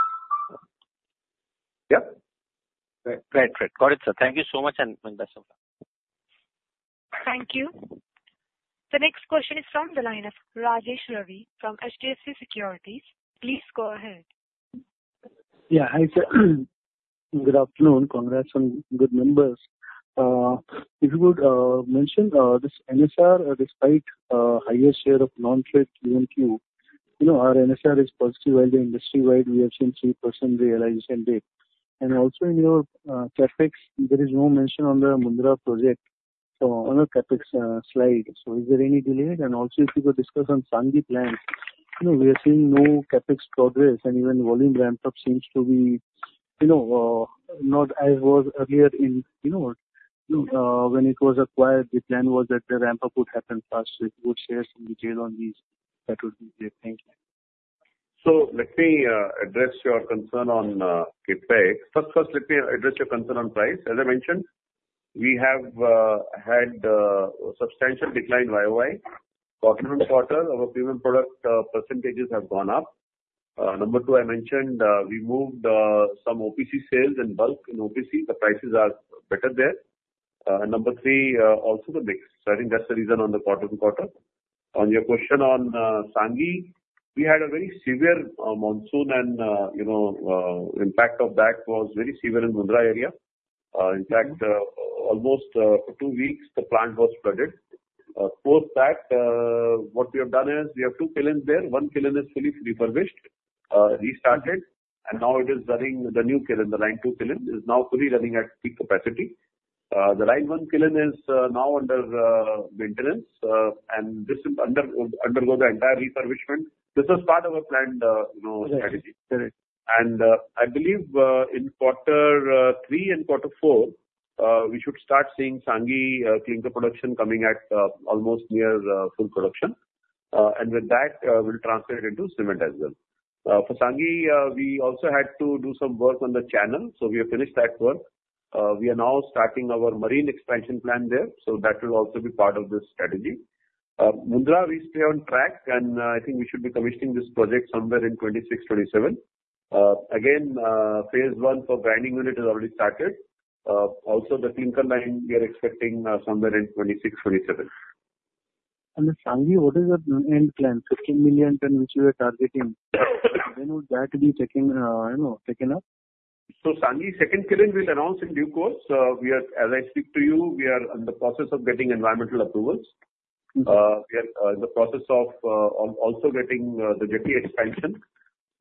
Yep. Great. Great, great. Got it, sir. Thank you so much, and have a nice day. Thank you. The next question is from the line of Rajesh Ravi from HDFC Securities. Please go ahead. Yeah. Hi, sir. Good afternoon. Congrats on good numbers. If you could mention this NSR, despite higher share of non-trade QoQ, you know, our NSR is positive, while the industry-wide, we have seen 3% realization decline. And also in your CapEx, there is no mention on the Mundra project, so on a CapEx slide. So is there any delay? And also, if you could discuss on Sanghi plant. You know, we are seeing no CapEx progress, and even volume ramp-up seems to be, you know, not as it was earlier in... You know, when it was acquired, the plan was that the ramp-up would happen fast. If you could share some detail on these, that would be great. Thank you. So let me address your concern on CapEx. First, let me address your concern on price. As I mentioned, we have had substantial decline YOY. Quarter-on-quarter, our premium product percentages have gone up. Number two, I mentioned, we moved some OPC sales in bulk. In OPC, the prices are better there. Number three, also the mix. So I think that's the reason on the quarter-on-quarter. On your question on Sanghi, we had a very severe monsoon, and you know, impact of that was very severe in Mundra area. In fact, almost for two weeks, the plant was flooded. Post that, what we have done is we have two kilns there. One kiln is fully refurbished, restarted, and now it is running the new kiln. The line two kiln is now fully running at peak capacity. The line one kiln is now under maintenance, and this is undergoing the entire refurbishment. This is part of our planned, you know, strategy. Correct. I believe in quarter three and quarter four we should start seeing Sanghi clinker production coming at almost near full production. With that, we'll transfer it into cement as well. For Sanghi, we also had to do some work on the channel, so we have finished that work. We are now starting our marine expansion plan there, so that will also be part of this strategy. Mundra remains on track, and I think we should be commissioning this project somewhere in 2026-2027. Again, phase one for grinding unit is already started. Also the clinker line, we are expecting somewhere in 2026-2027. The Sanghi, what is the end plan? 15 million ton, which you are targeting. When would that be taking, you know, taken up? Sanghi, second kiln, we'll announce in due course. We are, as I speak to you, in the process of getting environmental approvals. Mm-hmm. We are in the process of also getting the jetty expansion,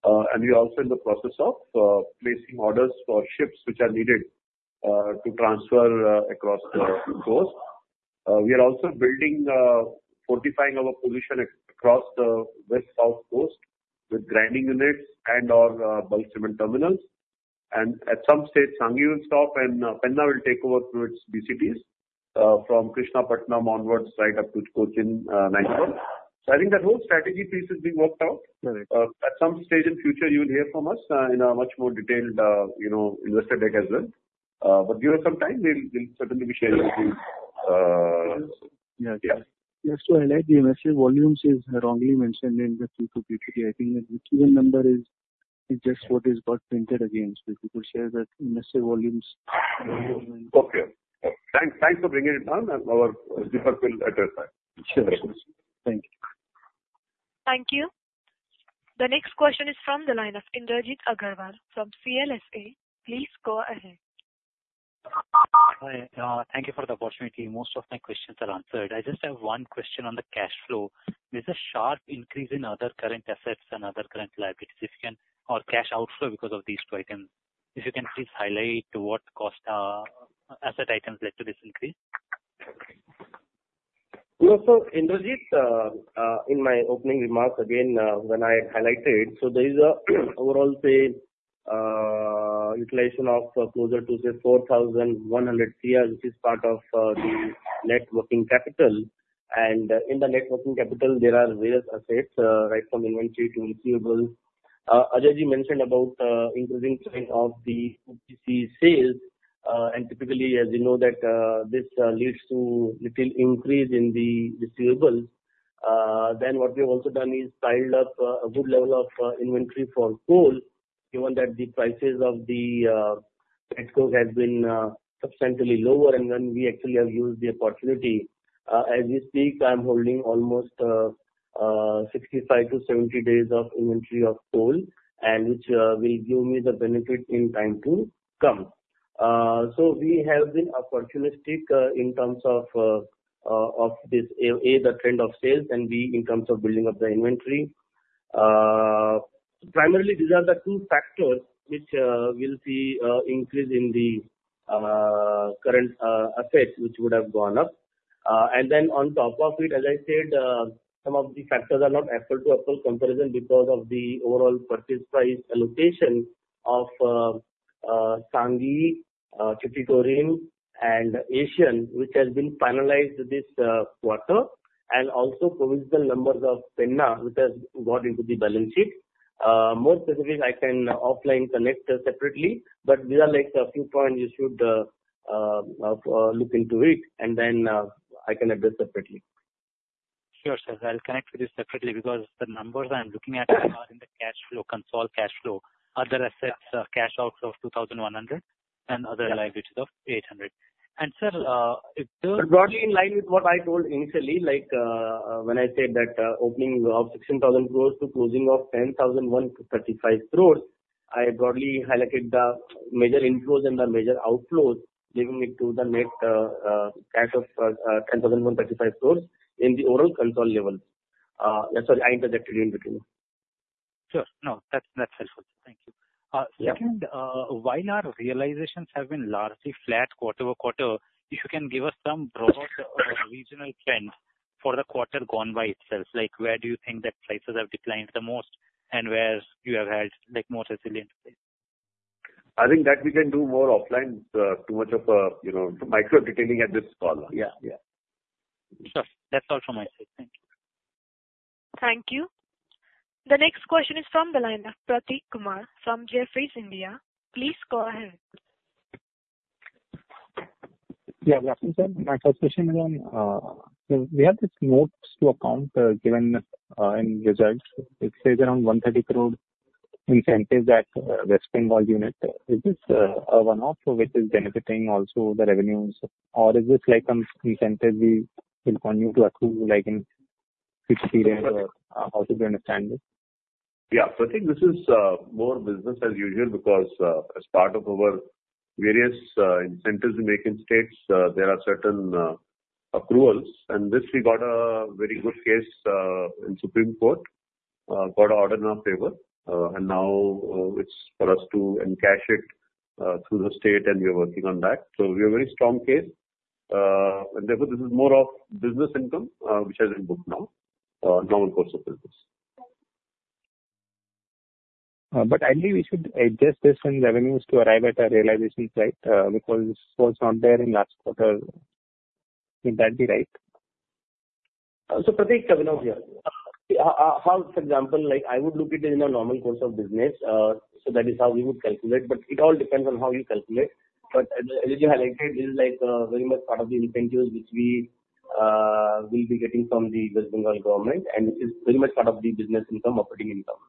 and we're also in the process of placing orders for ships which are needed to transfer across coast.... We are also building, fortifying our position across the West South Coast with grinding units and/or, bulk cement terminals. And at some stage, Sanghi will stop and, Penna will take over through its BCTs, from Krishnapatnam onwards, right up to Cochin, Nizamabad. So I think the whole strategy piece is being worked out. Correct. At some stage in future, you will hear from us in a much more detailed, you know, investor deck as well. But give us some time, we'll certainly be sharing with you. Yeah. Yeah. Just to highlight, the investor volumes is wrongly mentioned in the Q2 PPT. I think that the given number is just what is got printed again. So if you could share that investor volumes. Okay. Thanks, thanks for bringing it on, and our speaker will address that. Sure. Thank you. Thank you. The next question is from the line of Indrajit Agarwal from CLSA. Please go ahead. Hi, thank you for the opportunity. Most of my questions are answered. I just have one question on the cash flow. There's a sharp increase in other current assets and other current liabilities, if you can... Or cash outflow because of these two items. If you can please highlight what cost asset items led to this increase? So, Indrajit, in my opening remarks again, when I highlighted, so there is an overall, say, utilization of closer to, say, 4,100 crore, which is part of the net working capital. And in the net working capital, there are various assets, right from inventory to receivables. Ajay-ji mentioned about increasing trend of the OPC sales, and typically, as you know, that this leads to little increase in the receivables. Then what we've also done is piled up a good level of inventory for coal, given that the prices of the coal has been substantially lower, and then we actually have used the opportunity. As we speak, I'm holding almost sixty-five to seventy days of inventory of coal, and which will give me the benefit in time to come, so we have been opportunistic in terms of this, A, the trend of sales, and B, in terms of building up the inventory. Primarily, these are the two factors which we'll see increase in the current assets, which would have gone up, and then on top of it, as I said, some of the factors are not apple-to-apple comparison because of the overall purchase price allocation of Sanghi, Chittorgarh, and Asian, which has been finalized this quarter, and also provisional numbers of Penna, which has got into the balance sheet. More specifics I can offline connect separately, but these are like a few points you should look into it, and then I can address separately. Sure, sir, I'll connect with you separately, because the numbers I'm looking at are in the cash flow, consolidated cash flow. Other assets, cash out of 2,100 and other liabilities of 800. And, sir, if the Broadly in line with what I told initially, like, when I said that, opening of 16,000 crore to closing of 10,135 crore, I broadly highlighted the major inflows and the major outflows, leading me to the net cash of 10,135 crore in the overall consolidated level. Sorry, I interjected in between. Sure. No, that's, that's helpful. Thank you. Yeah. Second, while our realizations have been largely flat quarter over quarter, if you can give us some broad regional trends for the quarter gone by itself? Like, where do you think that prices have declined the most, and where you have had, like, more resilient prices? I think that we can do more offline. Too much of, you know, micro-detailing at this call. Yeah. Yeah. So that's all from my side. Thank you. Thank you. The next question is from the line of Prateek Kumar, from Jefferies India. Please go ahead. Yeah, good afternoon, sir. My first question is on... So we have this notes to accounts, given in results. It says around 130 crore incentive that West Bengal unit. Is this a one-off, so which is benefiting also the revenues? Or is this like some incentive we will continue to accrue, like, in future period? Or how should we understand this? Yeah, so I think this is more business as usual because as part of our various incentives we make in states, there are certain approvals, and this we got a very good case in Supreme Court. Got an order in our favor, and now it's for us to encash it through the state, and we are working on that, so we have a very strong case, and therefore this is more of business income which has been booked now, normal course of business. But ideally, we should adjust this in revenues to arrive at our realization site, because this was not there in last quarter. Would that be right? So, Prateek, having out here, how, for example, like, I would look it in a normal course of business, so that is how we would calculate, but it all depends on how you calculate. But as you highlighted, this is like, very much part of the incentives which we will be getting from the West Bengal government, and this is very much part of the business income, operating income.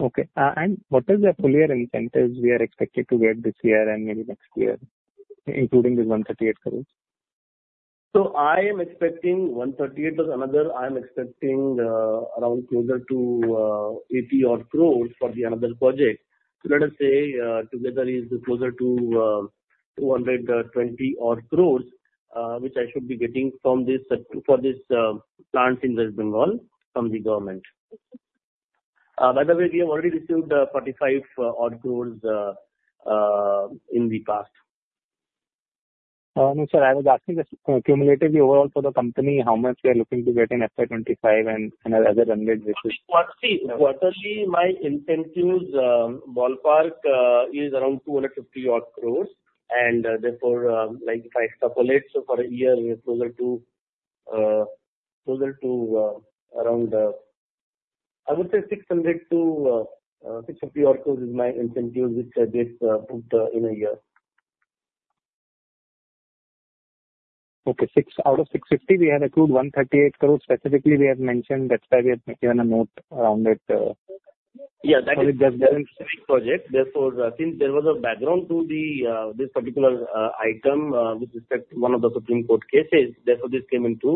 Okay. And what is the full year incentives we are expected to get this year and maybe next year, including this 138 cror? So I am expecting 138 plus another. I am expecting around closer to 80-odd crores for the another project. So let us say together is closer to 220-odd cror, which I should be getting from this for this plant in West Bengal from the government.... By the way, we have already received 45-odd crore in the past. No, sir, I was asking just, cumulatively overall for the company, how much we are looking to get in FY 2025 and as a run rate basis? See, quarterly, my intent is, ballpark, is around 250 crore odd. And therefore, like, if I extrapolate, so for a year, closer to around 600-650 crore odd is my incentive, which I get booked in a year. Okay. Six out of 650, we had accrued 138 crore. Specifically, we had mentioned that's why we had made a note around it. Yeah, that- So it does. That specific project. Therefore, since there was a background to this particular item, with respect to one of the Supreme Court cases, therefore, this came into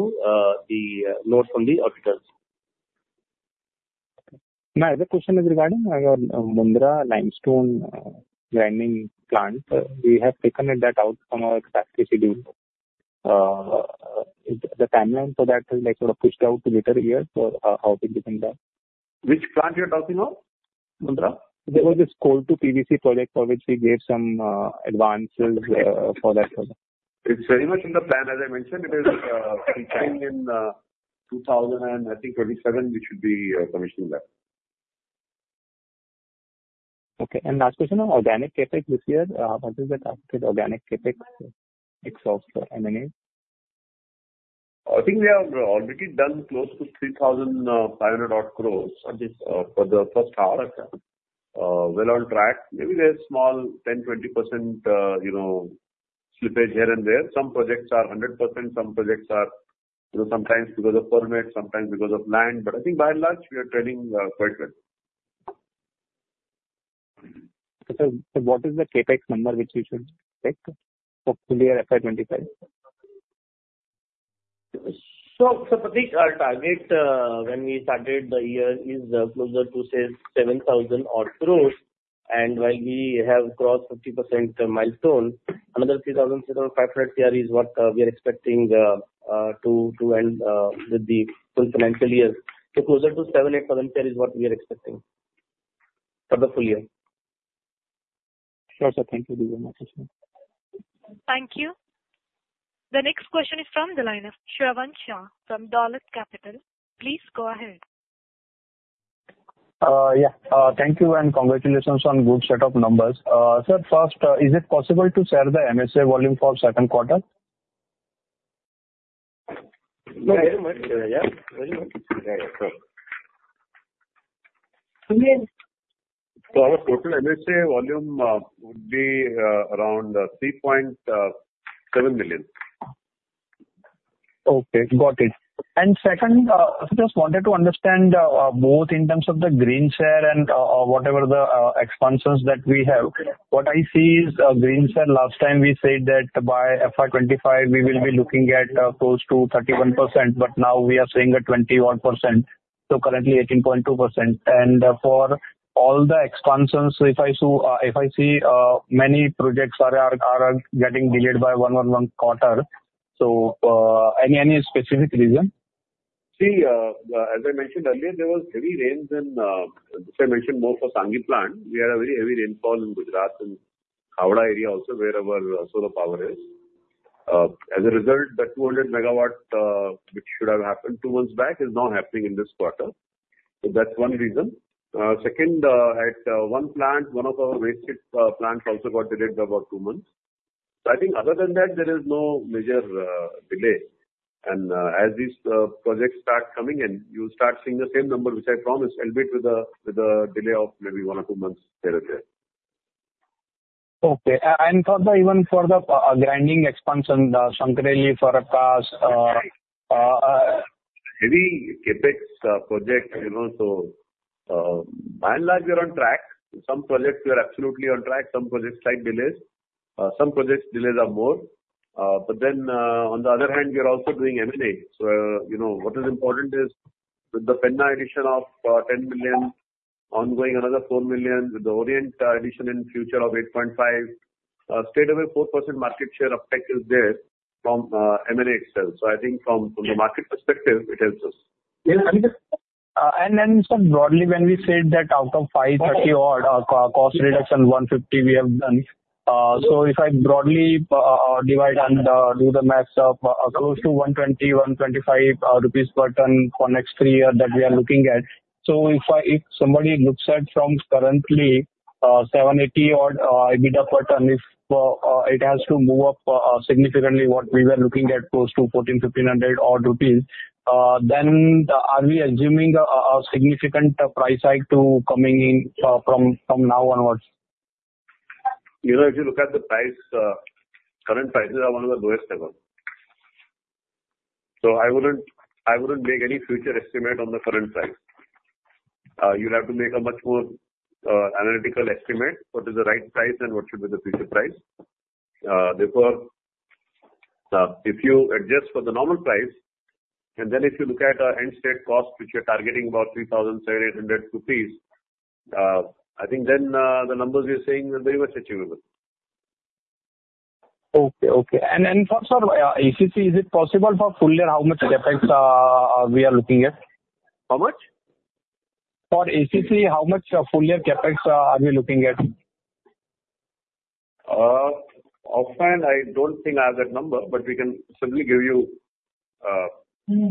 the notes from the auditors. My other question is regarding your Mundra limestone grinding plant. We have taken that out from our expected schedule. The timeline for that is, like, sort of, pushed out to later years. So how things have been done? Which plant you're talking of? Mundra. There was this coal to PVC project for which we gave some advances for that project. It's very much in the plan. As I mentioned, it is featuring in 2027, I think we should be commissioning that. Okay, and last question on organic CapEx this year. What is the targeted organic CapEx mix of the M&A? I think we have already done close to 3,500 odd crore Okay. For the first half. We're on track. Maybe there's small 10-20%, you know, slippage here and there. Some projects are 100%, some projects are... You know, sometimes because of permits, sometimes because of land. But I think by and large, we are trending, quite well. What is the CapEx number which we should expect for full year FY 2025? Prateek, our target when we started the year is closer to, say, 7,000-odd crore. And while we have crossed 50% milestone, another 3,000 to 500 crore here is what we are expecting to end with the full financial year. Closer to 7,000-8,000 is what we are expecting for the full year. Sure, sir. Thank you very much. Thank you. The next question is from the line of Shravan Shah from Dolat Capital. Please go ahead. Yeah. Thank you and congratulations on good set of numbers. So first, is it possible to share the MSA volume for second quarter? Yeah. Very much. Yeah. Yeah. Sure. Yes. So our total MSA volume would be around 3.7 million. Okay, got it. And second, I just wanted to understand, both in terms of the green share and, whatever the expansions that we have. What I see is, green share, last time we said that by FY twenty-five, we will be looking at, close to 31%, but now we are saying that 21%, so currently 18.2%. And for all the expansions, if I see, many projects are getting delayed by one or one quarter, so, any specific reason? See, as I mentioned earlier, there was heavy rains in, as I mentioned, more for Sanghi plant. We had a very heavy rainfall in Gujarat and Khavda area also, where our solar power is. As a result, the 200-megawatt, which should have happened two months back, is now happening in this quarter. So that's one reason. Second, at one plant, one of our waste heat plants also got delayed about two months. So I think other than that, there is no major delay. As these projects start coming in, you'll start seeing the same number, which I promised, albeit with a delay of maybe one or two months here or there. Okay. And for the, even for the, grinding expansion, the Sankrail for us. Any CapEx project, you know, so by and large, we are on track. Some projects we are absolutely on track, some projects slight delays, some projects delays are more. But then on the other hand, we are also doing M&A. So you know, what is important is with the Penna addition of 10 million, ongoing another 4 million, with the Orient addition in future of 8.5, straightaway 4% market share of tech is there from M&A itself. So I think from the market perspective, it helps us. Broadly, when we said that out of 530 odd, cost reduction, 150, we have done. So if I broadly divide and do the math up, close to 120-125 rupees per ton for next three year that we are looking at. So if somebody looks at from currently, 780 odd, EBITDA per ton, if it has to move up significantly, what we were looking at, close to 1,400-1,500 odd rupees, then are we assuming a significant price hike coming in from now onwards? You know, if you look at the price, current prices are one of the lowest ever. So I wouldn't, I wouldn't make any future estimate on the current price. You'll have to make a much more analytical estimate, what is the right price and what should be the future price. Therefore, if you adjust for the normal price, and then if you look at end state cost, which you're targeting about 3,700 rupees, I think then the numbers you're saying are very much achievable. Okay, okay. And for sir, ACC, is it possible for full year, how much CapEx we are looking at? How much? For ACC, how much full year CapEx are we looking at? Offline, I don't think I have that number, but we can certainly give you. Yeah.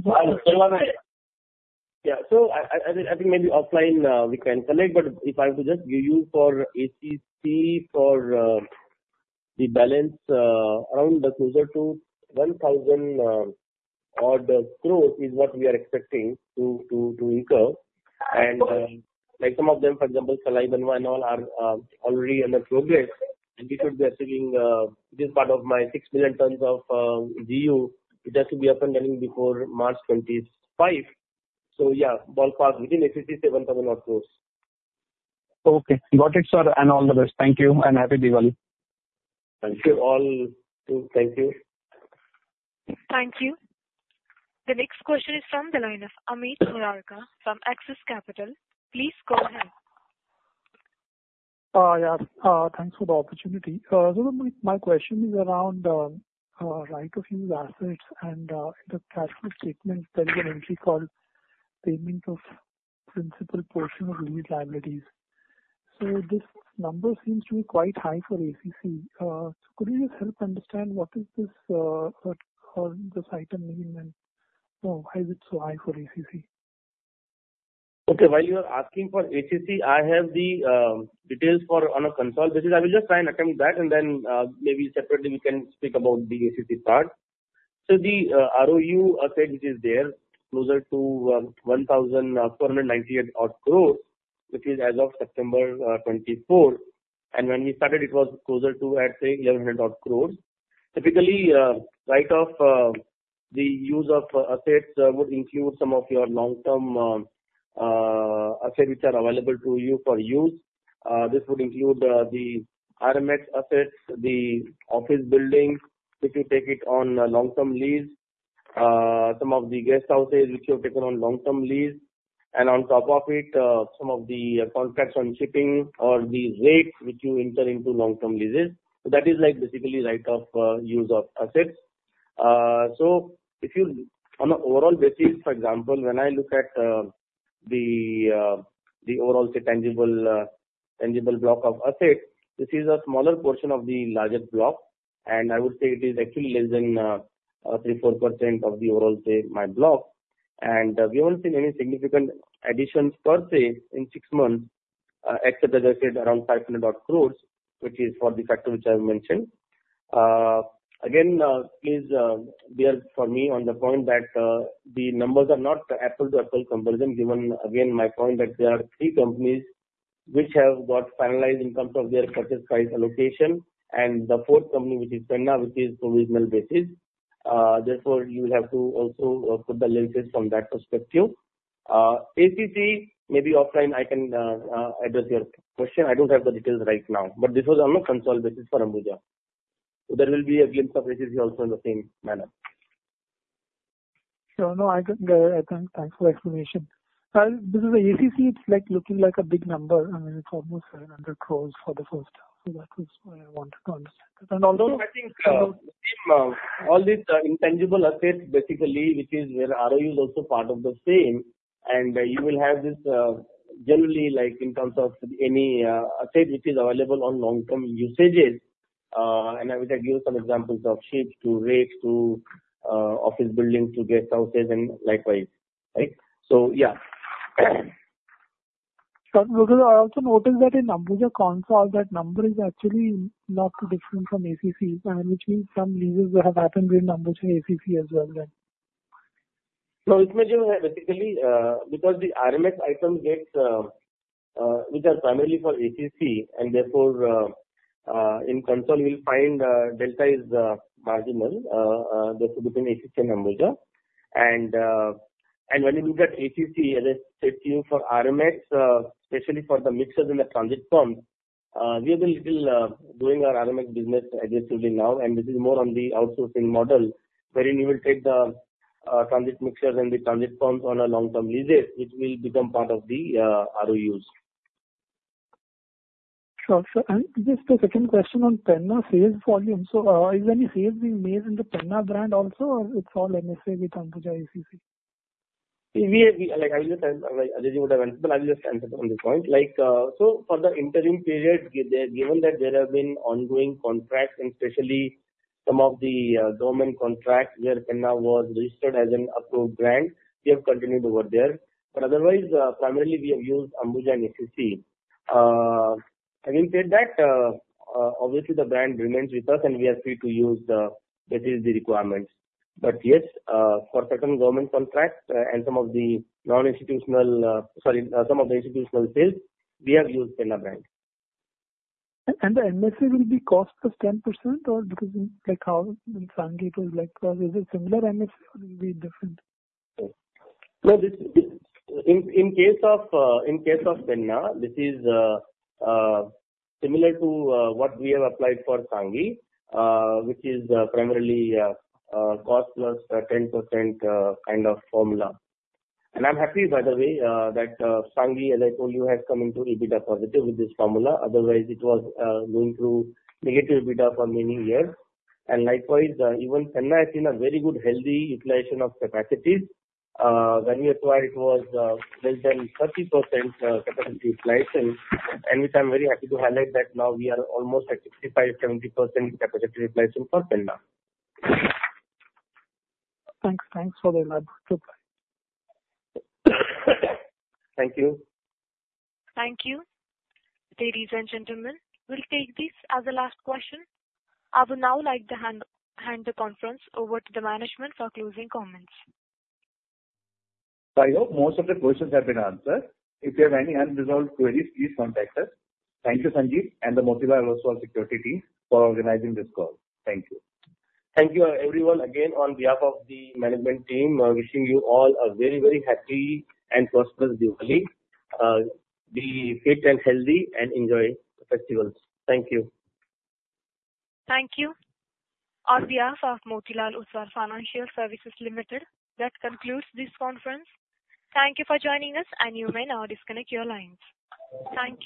So I think maybe offline we can connect, but if I have to just give you for ACC for the balance, around closer to one thousand, or the growth is what we are expecting to incur. And like some of them, for example, Salai Banwa and all are already under progress, and this would be sitting, this is part of my six million tons of GU. It has to be up and running before March 2025. So yeah, ballpark within ACC, seven thousand or close. Okay, got it, sir, and all the best. Thank you and happy Diwali! Thank you all. Thank you. Thank you. The next question is from the line of Amit Murarka from Axis Capital. Please go ahead. Yeah. Thanks for the opportunity. So my question is around right of use assets and the financial statements. There is an entry called payment of principal portion of lease liabilities. So this number seems to be quite high for ACC. So could you just help understand what is this, what called this item and then why is it so high for ACC? Okay, while you are asking for ACC, I have the details for on a consolidated basis. I will just try and attempt that, and then maybe separately we can speak about the ACC part. So the ROU asset, which is there, closer to 1,498 odd crores, which is as of September twenty-fourth, and when we started, it was closer to, I'd say, 1,100 odd crore. Typically, Right of Use assets would include some of your long-term assets which are available to you for use. This would include the RMX assets, the office buildings, if you take it on a long-term lease, some of the guest houses which you have taken on long-term lease, and on top of it, some of the contracts on shipping or the rates which you enter into long-term leases. So that is like basically right of use of assets. So if you on an overall basis, for example, when I look at the overall, say, tangible block of assets, this is a smaller portion of the larger block, and I would say it is actually less than 3-4% of the overall, say, my block. We haven't seen any significant additions per se in six months, except as I said, around 500-odd crore, which is for the factor which I have mentioned. Again, please bear with me on the point that the numbers are not apples to apples comparison, given again my point that there are three companies which have got finalized in terms of their purchase price allocation, and the fourth company, which is Penna, which is provisional basis. Therefore, you have to also put the lens from that perspective. ACC, maybe offline, I can address your question. I don't have the details right now, but this was on a consolidated basis for Ambuja. So there will be a glimpse of ACC also in the same manner. So no, thanks for the explanation. And this is ACC; it's like looking like a big number. I mean, it's almost 700 crore for the first time, so that is why I want to understand. And although- I think all these intangible assets, basically, which is where ROU is also part of the same, and you will have this generally, like in terms of any asset which is available for long-term use is, and I would give some examples of ships, leases, to office buildings, to guest houses and likewise, right? So, yeah. So I also noticed that in Ambuja Consolidated, that number is actually not different from ACC, which means some leases that have happened in numbers for ACC as well then. No, it may have basically because the RMX items get, which are primarily for ACC, and therefore, in consolidated, you'll find delta is marginal, that between ACC and Ambuja. And when you look at ACC, let's say, for RMX, especially for the mixtures in the transit pumps, we have been a little doing our RMX business aggressively now, and this is more on the outsourcing model, wherein you will take the transit mixers and the transit pumps on a long-term leases, which will become part of the ROUs. Sure. So and just a second question on Penna sales volume. So, is any sales being made in the Penna brand also, or it's all MSA with Ambuja ACC? Ajit would have answered, but I'll just answer on this point. Like, so for the interim period, given that there have been ongoing contracts and especially some of the government contracts where Penna was registered as an approved brand, we have continued over there. But otherwise, primarily we have used Ambuja and ACC. Having said that, obviously, the brand remains with us, and we are free to use the, that is the requirements. But yes, for certain government contracts, and some of the non-institutional, sorry, some of the institutional sales, we have used Penna brand. the MSA will be cost plus 10% or because, like, how in Sangli it was like... Is it similar MSA or will it be different? No, this in case of Penna, this is similar to what we have applied for Sanghi, which is primarily cost plus 10% kind of formula. I'm happy, by the way, that Sanghi, as I told you, has come into EBITDA positive with this formula. Otherwise, it was going through negative EBITDA for many years. Likewise, even Penna has seen a very good, healthy utilization of capacities. When we acquired, it was less than 30% capacity utilization, and which I'm very happy to highlight that now we are almost at 65-70% capacity utilization for Penna. Thanks. Thanks for the elaboration. Goodbye. Thank you. Thank you. Ladies and gentlemen, we'll take this as the last question. I would now like to hand the conference over to the management for closing comments. So I hope most of the questions have been answered. If you have any unresolved queries, please contact us. Thank you, Sanjiv and the Motilal Oswal Securities team for organizing this call. Thank you. Thank you, everyone. Again, on behalf of the management team, wishing you all a very, very happy and prosperous Diwali. Be fit and healthy and enjoy the festivals. Thank you. Thank you. On behalf of Motilal Oswal Financial Services Limited, that concludes this conference. Thank you for joining us, and you may now disconnect your lines. Thank you.